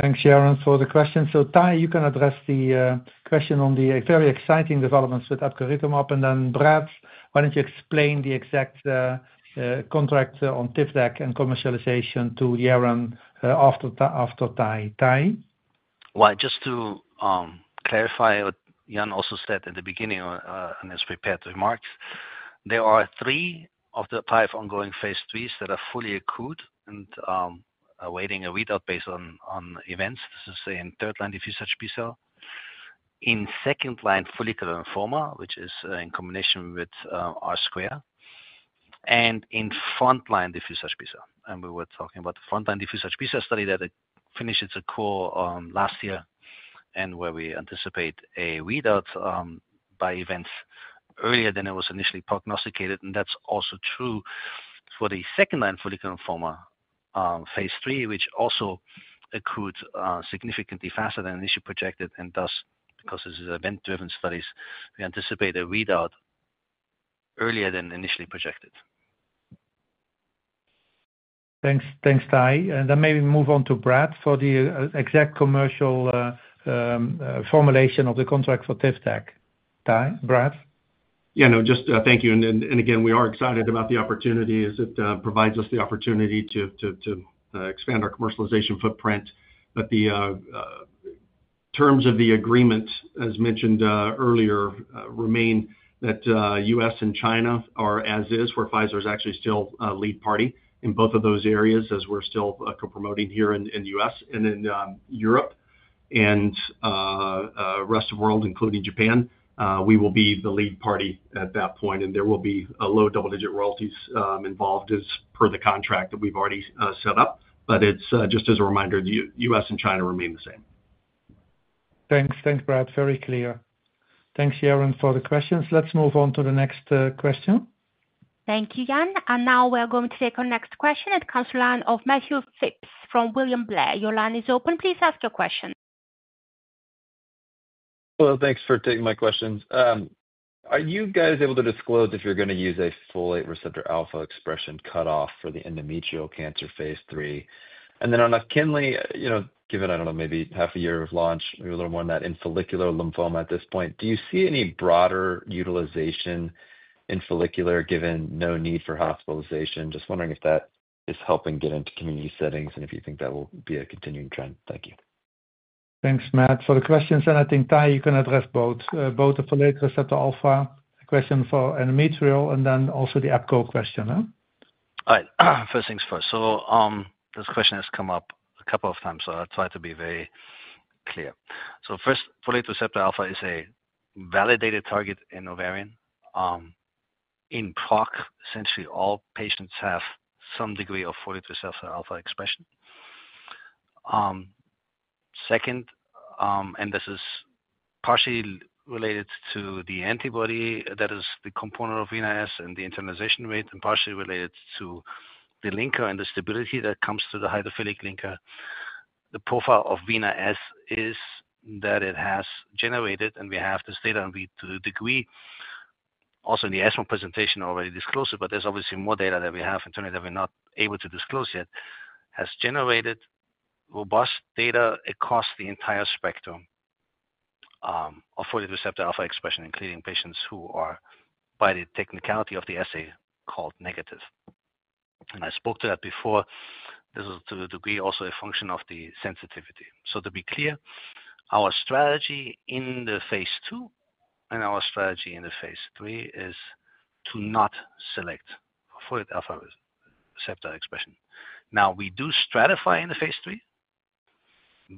Thanks, Yaron, for the question. So Tahi, you can address the question on the very exciting developments with epcoritamab. And then Brad, why don't you explain the exact contract on Tivdak and commercialization to Yaron after Tahi? Tahi? Well, just to clarify what Jan also said at the beginning on his prepared remarks, there are three of the five ongoing phase 3s that are fully accrued and awaiting a readout based on events. This is in third-line diffuse large B-cell, in second-line follicular lymphoma, which is in combination with R-squared, and in front-line diffuse large B-cell. And we were talking about the front-line diffuse large B-cell study that finished its accrual last year, and where we anticipate a readout by events earlier than it was initially prognosticated. And that's also true for the second-line follicular lymphoma phase three, which also accrued significantly faster than initially projected. And thus, because this is event-driven studies, we anticipate a readout earlier than initially projected. Thanks, Tahi. And then maybe move on to Brad for the exact commercial formulation of the contract for Tivdak. Brad? Yeah, no, just thank you. And again, we are excited about the opportunity as it provides us the opportunity to expand our commercialization footprint. But the terms of the agreement, as mentioned earlier, remain that U.S. and China are as is, where Pfizer is actually still a lead party in both of those areas, as we're still promoting here in the U.S. and in Europe. And rest of the world, including Japan, we will be the lead party at that point. And there will be low double-digit royalties involved as per the contract that we've already set up. But it's just as a reminder, the U.S. and China remain the same. Thanks. Thanks, Brad. Very clear. Thanks, Yaron, for the questions. Let's move on to the next question. Thank you, Jan. And now we're going to take our next question. It comes from the line of Matthew Phipps from William Blair. Your line is open. Please ask your question. Well, thanks for taking my questions. Are you guys able to disclose if you're going to use a folate receptor alpha expression cutoff for the endometrial cancer phase three? And then on EPKINLY, given, I don't know, maybe half a year of launch, maybe a little more on that in follicular lymphoma at this point, do you see any broader utilization in follicular given no need for hospitalization? Just wondering if that is helping get into community settings and if you think that will be a continuing trend. Thank you. Thanks, Matt, for the questions. And I think Tahi, you can address both, both the folate receptor alpha question for endometrial and then also the epco question. First things first. So this question has come up a couple of times, so I'll try to be very clear. So first, folate receptor alpha is a validated target in ovarian. In PROC, essentially all patients have some degree of folate receptor alpha expression. Second, and this is partially related to the antibody that is the component of Rina-S and the internalization rate, and partially related to the linker and the stability that comes through the hydrophilic linker. The profile of Rina-S is that it has generated, and we have this data to a degree. Also, in the ESMO presentation, I already disclosed it, but there's obviously more data that we have in terms that we're not able to disclose yet, has generated robust data across the entire spectrum of folate receptor alpha expression, including patients who are, by the technicality of the assay, called negative. And I spoke to that before. This is to a degree also a function of the sensitivity. So to be clear, our strategy in the phase two and our strategy in the phase three is to not select folate receptor alpha expression. Now, we do stratify in the phase three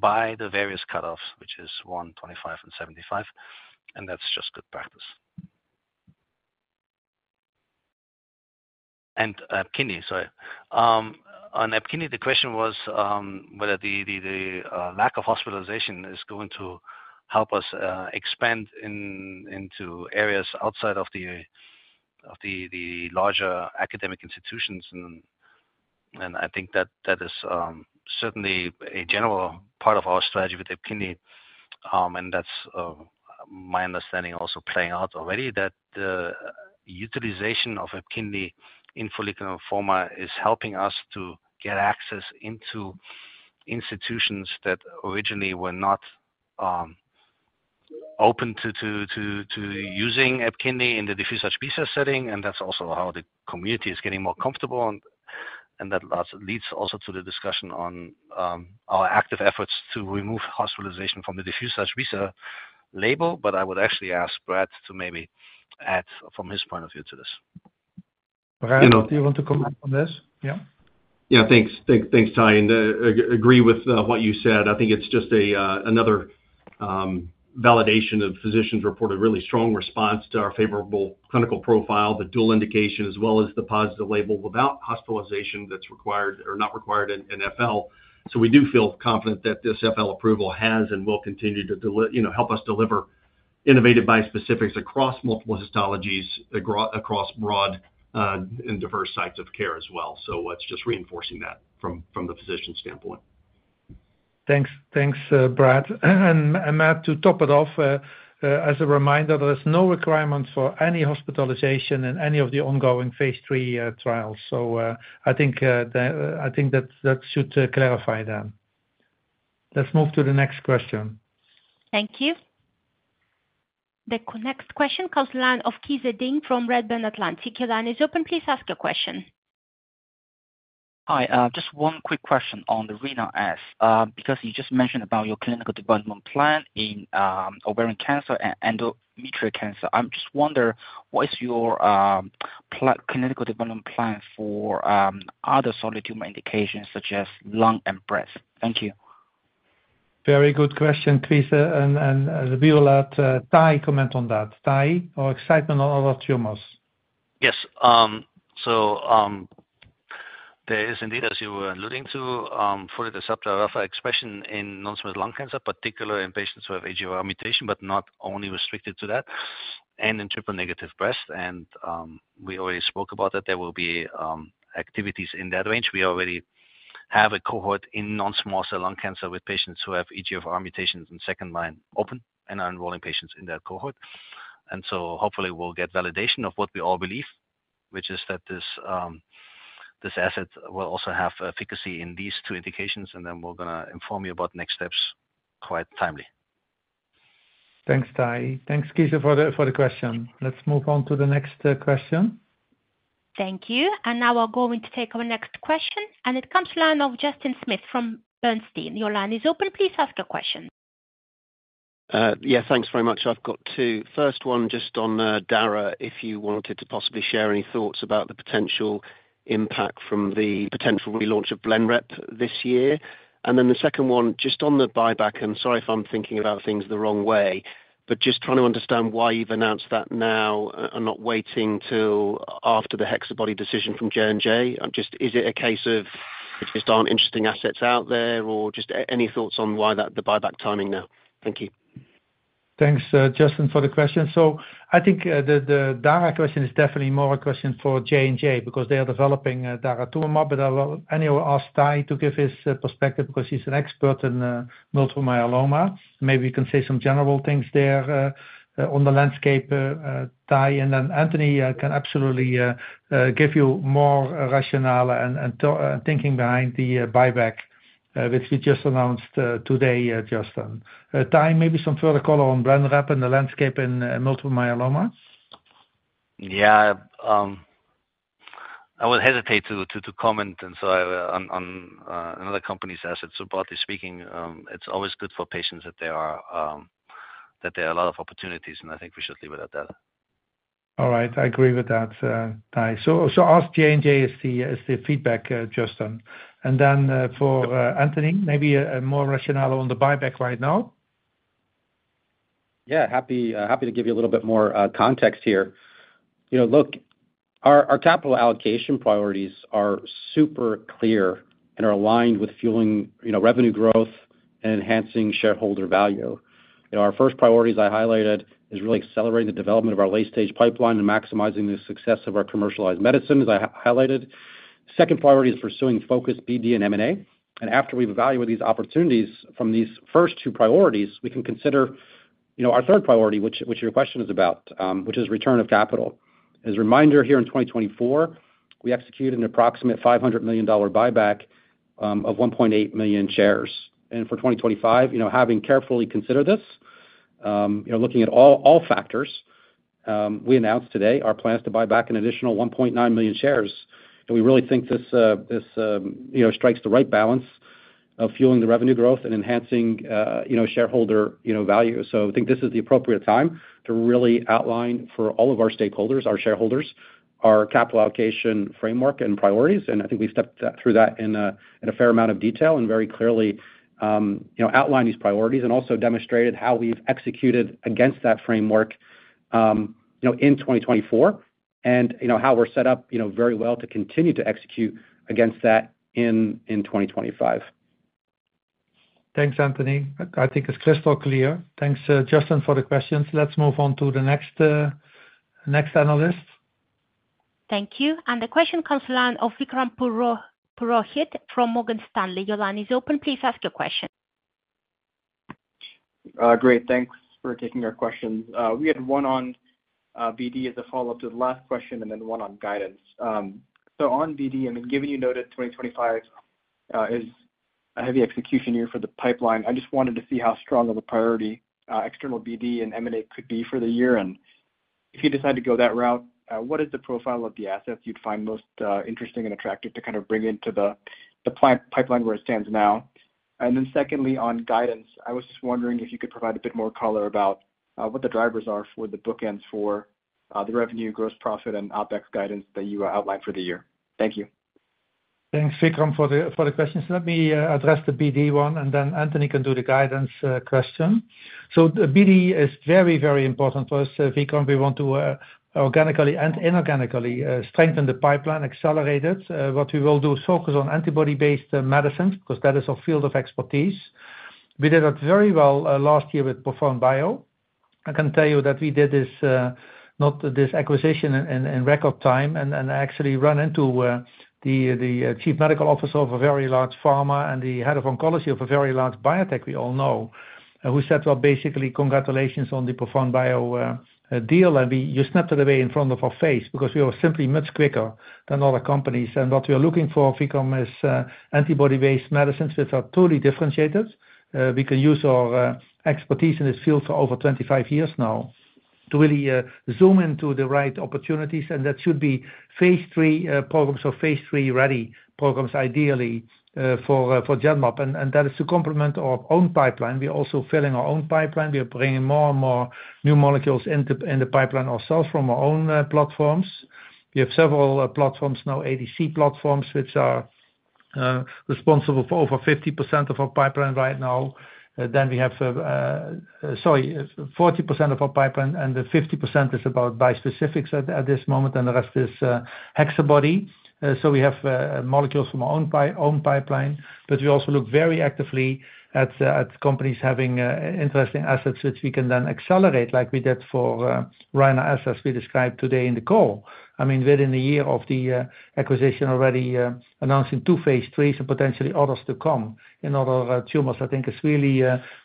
by the various cutoffs, which is one, 25, and 75, and that's just good practice. EPKINLY, sorry. On EPKINLY, the question was whether the lack of hospitalization is going to help us expand into areas outside of the larger academic institutions, and I think that that is certainly a general part of our strategy with EPKINLY, and that's my understanding also playing out already that the utilization of EPKINLY in follicular lymphoma is helping us to get access into institutions that originally were not open to using EPKINLY in the diffuse large B-cell setting, and that's also how the community is getting more comfortable. And that leads also to the discussion on our active efforts to remove hospitalization from the diffuse large B-cell label. But I would actually ask Brad to maybe add from his point of view to this. Brad, do you want to comment on this? Yeah? Yeah, thanks. Thanks, Tahi. And I agree with what you said. I think it's just another validation of physicians reported really strong response to our favorable clinical profile, the dual indication, as well as the positive label without hospitalization that's required or not required in FL. So we do feel confident that this FL approval has and will continue to help us deliver innovative bispecifics across multiple histologies, across broad and diverse sites of care as well. So it's just reinforcing that from the physician standpoint. Thanks. Thanks, Brad. And Matt, to top it off, as a reminder, there's no requirement for any hospitalization in any of the ongoing phase three trials. So I think that should clarify that. Let's move to the next question. Thank you. The next question comes from the line of Qize Ding from Redburn Atlantic. Your line is open. Please ask your question. Hi. Just one quick question on the Rina-S, because you just mentioned about your clinical development plan in ovarian cancer and endometrial cancer. I'm just wondering, what is your clinical development plan for other solid tumor indications, such as lung and breast? Thank you. Very good question, Qize. And we will let Tahi comment on that. Tahi, our excitement on other tumors? Yes. There is indeed, as you were alluding to, folate receptor alpha expression in non-small cell lung cancer, particularly in patients who have EGFR mutation, but not only restricted to that, and in triple-negative breast cancer. We already spoke about that. There will be activities in that range. We already have a cohort in non-small cell lung cancer with patients who have EGFR mutations in second line open and are enrolling patients in that cohort. And so hopefully, we'll get validation of what we all believe, which is that this asset will also have efficacy in these two indications. And then we're going to inform you about next steps quite timely. Thanks, Tai. Thanks, Qize, for the question. Let's move on to the next question. Thank you. And now we're going to take our next question. And it comes from the line of Justin Smith from Bernstein. Your line is open. Please ask your question. Yeah, thanks very much. I've got two. First one, just on dara, if you wanted to possibly share any thoughts about the potential impact from the potential relaunch of Blenrep this year. And then the second one, just on the buyback, and sorry if I'm thinking about things the wrong way, but just trying to understand why you've announced that now and not waiting till after the HexaBody decision from J&J. Just, is it a case of there just aren't interesting assets out there, or just any thoughts on why the buyback timing now? Thank you. Thanks, Justin, for the question. So I think the dara question is definitely more a question for J&J because they are developing daratumumab. But I will anyway ask Tahi to give his perspective because he's an expert in multiple myeloma. Maybe you can say some general things there on the landscape, Tahi. And then Anthony can absolutely give you more rationale and thinking behind the buyback, which we just announced today, Justin. Tahi, maybe some further color on Blenrep and the landscape in multiple myeloma? Yeah. I would hesitate to comment on another company's assets. So broadly speaking, it's always good for patients that there are a lot of opportunities, and I think we should leave it at that. All right. I agree with that, Tahi. So ask J&J as the feedback, Justin. And then for Anthony, maybe more rationale on the buyback right now? Yeah. Happy to give you a little bit more context here. Look, our capital allocation priorities are super clear and are aligned with fueling revenue growth and enhancing shareholder value. Our first priorities I highlighted is really accelerating the development of our late-stage pipeline and maximizing the success of our commercialized medicines, as I highlighted. Second priority is pursuing focused PD and M&A, and after we've evaluated these opportunities from these first two priorities, we can consider our third priority, which your question is about, which is return of capital. As a reminder, here in 2024, we executed an approximate $500 million buyback of 1.8 million shares, and for 2025, having carefully considered this, looking at all factors, we announced today our plans to buy back an additional 1.9 million shares, and we really think this strikes the right balance of fueling the revenue growth and enhancing shareholder value, so I think this is the appropriate time to really outline for all of our stakeholders, our shareholders, our capital allocation framework and priorities. I think we've stepped through that in a fair amount of detail and very clearly outlined these priorities and also demonstrated how we've executed against that framework in 2024 and how we're set up very well to continue to execute against that in 2025. Thanks, Anthony. I think it's crystal clear. Thanks, Justin, for the questions. Let's move on to the next analyst. Thank you. The question comes from the line of Vikram Purohit from Morgan Stanley. Your line is open. Please ask your question. Great. Thanks for taking our questions. We had one on BD as a follow-up to the last question and then one on guidance. On BD, I mean, given you noted 2025 is a heavy execution year for the pipeline, I just wanted to see how strong of a priority external BD and M&A could be for the year. If you decide to go that route, what is the profile of the assets you'd find most interesting and attractive to kind of bring into the pipeline where it stands now? And then secondly, on guidance, I was just wondering if you could provide a bit more color about what the drivers are for the bookends for the revenue, gross profit, and OpEx guidance that you outlined for the year. Thank you. Thanks, Vikram, for the questions. Let me address the BD one, and then Anthony can do the guidance question. BD is very, very important for us. Vikram, we want to organically and inorganically strengthen the pipeline, accelerate it. What we will do is focus on antibody-based medicines because that is our field of expertise. We did that very well last year with ProfoundBio. I can tell you that we did this acquisition in record time and actually ran into the chief medical officer of a very large pharma and the head of oncology of a very large biotech we all know, who said, "Well, basically, congratulations on the ProfoundBio deal." And you snapped it away in front of our face because we were simply much quicker than other companies. And what we are looking for, Vikram, is antibody-based medicines which are totally differentiated. We can use our expertise in this field for over 25 years now to really zoom into the right opportunities. And that should be phase three programs or phase three-ready programs, ideally, for Genmab. And that is to complement our own pipeline. We're also filling our own pipeline. We are bringing more and more new molecules into the pipeline ourselves from our own platforms. We have several platforms now, ADC platforms, which are responsible for over 50% of our pipeline right now. Then we have, sorry, 40% of our pipeline, and 50% is about bispecifics at this moment, and the rest is HexaBody. So we have molecules from our own pipeline, but we also look very actively at companies having interesting assets which we can then accelerate, like we did for Rina-S, as we described today in the call. I mean, within a year of the acquisition, already announcing two phase 3s and potentially others to come in other tumors, I think is really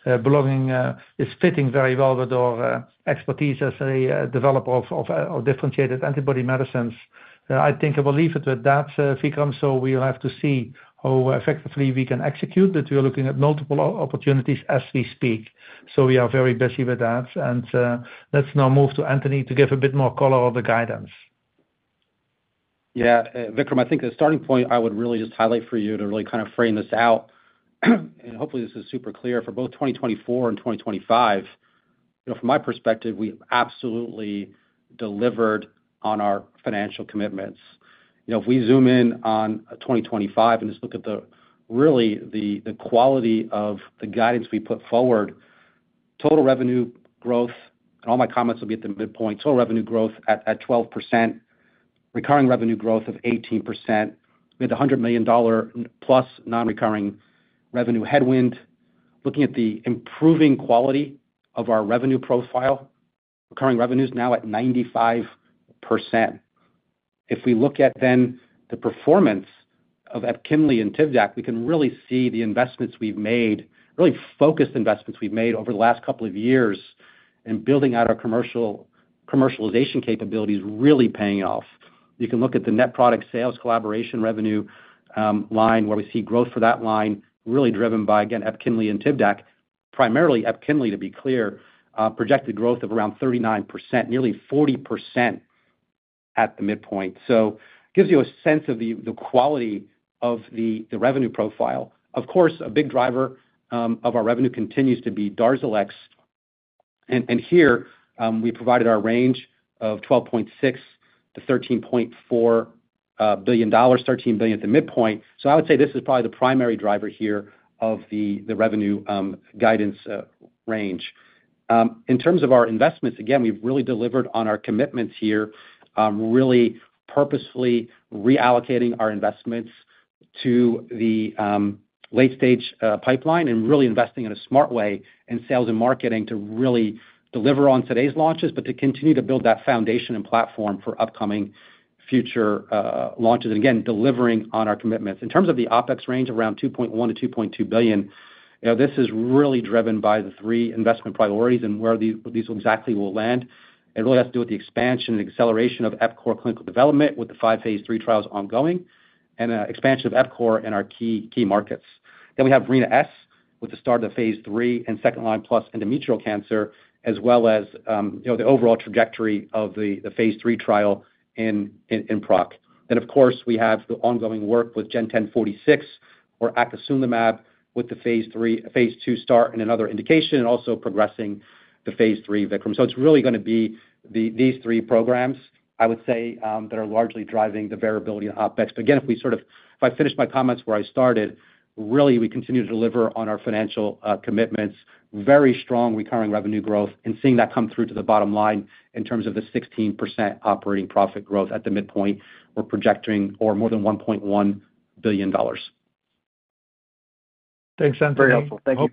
bolstering, is fitting very well with our expertise as a developer of differentiated antibody medicines. I think I will leave it with that, Vikram. So we will have to see how effectively we can execute, but we are looking at multiple opportunities as we speak. So we are very busy with that. And let's now move to Anthony to give a bit more color on the guidance. Yeah. Vikram, I think the starting point I would really just highlight for you to really kind of frame this out. And hopefully, this is super clear for both 2024 and 2025. From my perspective, we have absolutely delivered on our financial commitments. If we zoom in on 2025 and just look at really the quality of the guidance we put forward, total revenue growth, and all my comments will be at the midpoint, total revenue growth at 12%, recurring revenue growth of 18%. We had a $100 million plus non-recurring revenue headwind. Looking at the improving quality of our revenue profile, recurring revenue is now at 95%. If we look at then the performance of EPKINLY and Tivdak, we can really see the investments we've made, really focused investments we've made over the last couple of years in building out our commercialization capabilities really paying off. You can look at the net product sales collaboration revenue line where we see growth for that line really driven by, again, EPKINLY and Tivdak, primarily EPKINLY, to be clear, projected growth of around 39%, nearly 40% at the midpoint. So it gives you a sense of the quality of the revenue profile. Of course, a big driver of our revenue continues to be DARZALEX. And here, we provided our range of $12.6-$13.4 billion, $13 billion at the midpoint. So I would say this is probably the primary driver here of the revenue guidance range. In terms of our investments, again, we've really delivered on our commitments here, really purposefully reallocating our investments to the late-stage pipeline and really investing in a smart way in sales and marketing to really deliver on today's launches, but to continue to build that foundation and platform for upcoming future launches, and again, delivering on our commitments. In terms of the OpEx range, around $2.1-$2.2 billion, this is really driven by the three investment priorities and where these exactly will land. It really has to do with the expansion and acceleration of Epcor clinical development with the five phase three trials ongoing and expansion of Epcor in our key markets, then we have Rina-S with the start of phase three and second line plus endometrial cancer, as well as the overall trajectory of the phase three trial in PROC. Then, of course, we have the ongoing work with GEN1046 or acasunlimab with the phase two start and another indication and also progressing the phase three, Vikram. So it's really going to be these three programs, I would say, that are largely driving the variability in OpEx. But again, if we sort of finish my comments where I started, really, we continue to deliver on our financial commitments, very strong recurring revenue growth, and seeing that come through to the bottom line in terms of the 16% operating profit growth at the midpoint we're projecting or more than $1.1 billion. Thanks, Anthony. Very helpful. Thank you.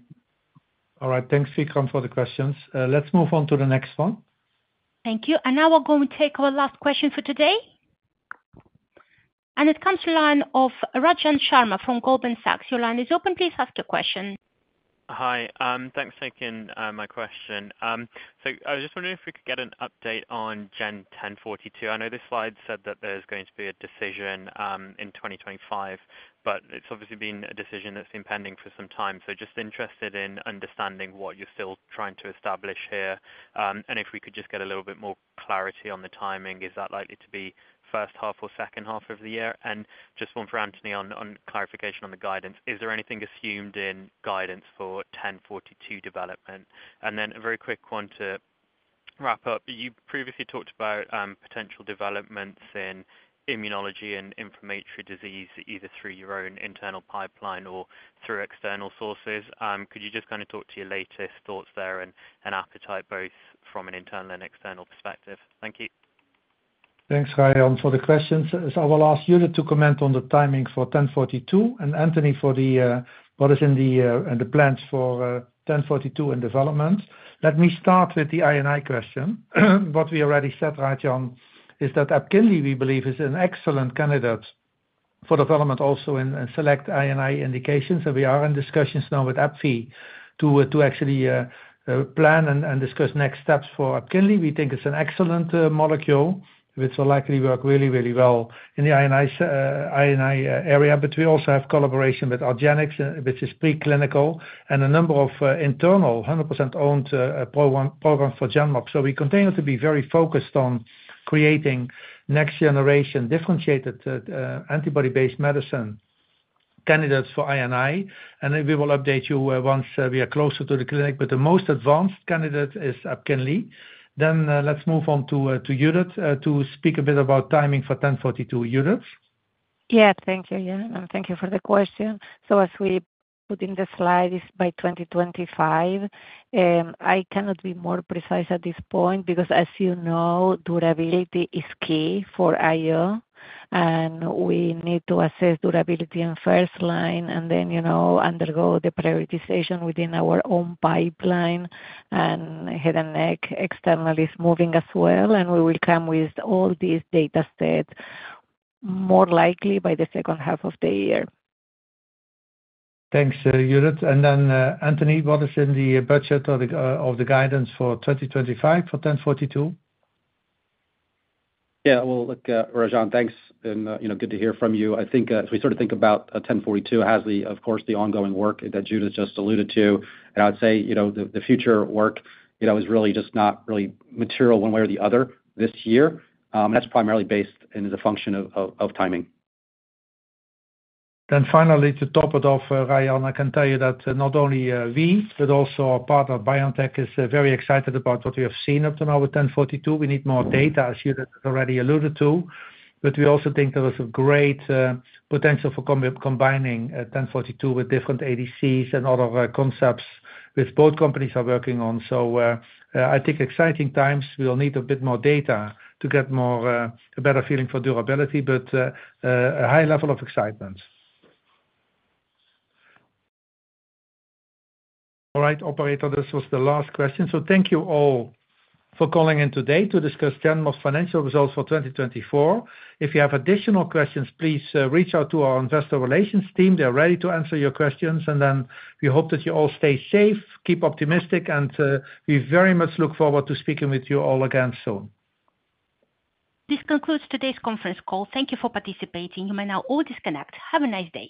All right. Thanks, Vikram, for the questions. Let's move on to the next one. Thank you and now we're going to take our last question for today. It comes from the line of Rajan Sharma from Goldman Sachs. Your line is open. Please ask your question. Hi. Thanks for taking my question. So I was just wondering if we could get an update on GEN1042. I know this slide said that there's going to be a decision in 2025, but it's obviously been a decision that's been pending for some time. So just interested in understanding what you're still trying to establish here. And if we could just get a little bit more clarity on the timing, is that likely to be first half or second half of the year? And just one for Anthony on clarification on the guidance. Is there anything assumed in guidance for 1042 development? And then a very quick one to wrap up. You previously talked about potential developments in immunology and inflammatory disease either through your own internal pipeline or through external sources. Could you just kind of talk to your latest thoughts there and appetite both from an internal and external perspective? Thank you. Thanks, Rajan, for the questions. So I will ask you to comment on the timing for 1042 and Anthony for what is in the plans for 1042 and development. Let me start with the INI question. What we already said, Rajan, is that EPKINLY, we believe, is an excellent candidate for development also in select INI indications. And we are in discussions now with AbbVie to actually plan and discuss next steps for EPKINLY. We think it's an excellent molecule which will likely work really, really well in the INI area, but we also have collaboration with argenx, which is preclinical, and a number of internal 100% owned programs for Genmab. So we continue to be very focused on creating next-generation differentiated antibody-based medicine candidates for INI. And we will update you once we are closer to the clinic. But the most advanced candidate is Epkinly. Then let's move on to Judith to speak a bit about timing for 1042. Judith? Yeah. Thank you. Yeah. And thank you for the question. So as we put in the slide, it's by 2025. I cannot be more precise at this point because, as you know, durability is key for IO. And we need to assess durability in first line and then undergo the prioritization within our own pipeline, and head and neck external is moving as well. And we will come with all these data sets more likely by the second half of the year. Thanks, Judith. And then Anthony, what is in the budget of the guidance for 2025 for 1042? Yeah. Well, look, Rajan, thanks. And good to hear from you. I think as we sort of think about 1042, it has, of course, the ongoing work that Judith just alluded to. And I would say the future work is really just not really material one way or the other this year. And that's primarily based and is a function of timing. Then finally, to top it off, Rajan, I can tell you that not only we, but also our partner, BioNTech, is very excited about what we have seen up to now with 1042. We need more data, as Judith has already alluded to. But we also think there is a great potential for combining 1042 with different ADCs and other concepts which both companies are working on. So I think exciting times. We'll need a bit more data to get a better feeling for durability, but a high level of excitement. All right, operator, this was the last question. So thank you all for calling in today to discuss Genmab's financial results for 2024. If you have additional questions, please reach out to our investor relations team. They're ready to answer your questions, and then we hope that you all stay safe, keep optimistic, and we very much look forward to speaking with you all again soon. This concludes today's conference call. Thank you for participating. You may now all disconnect. Have a nice day.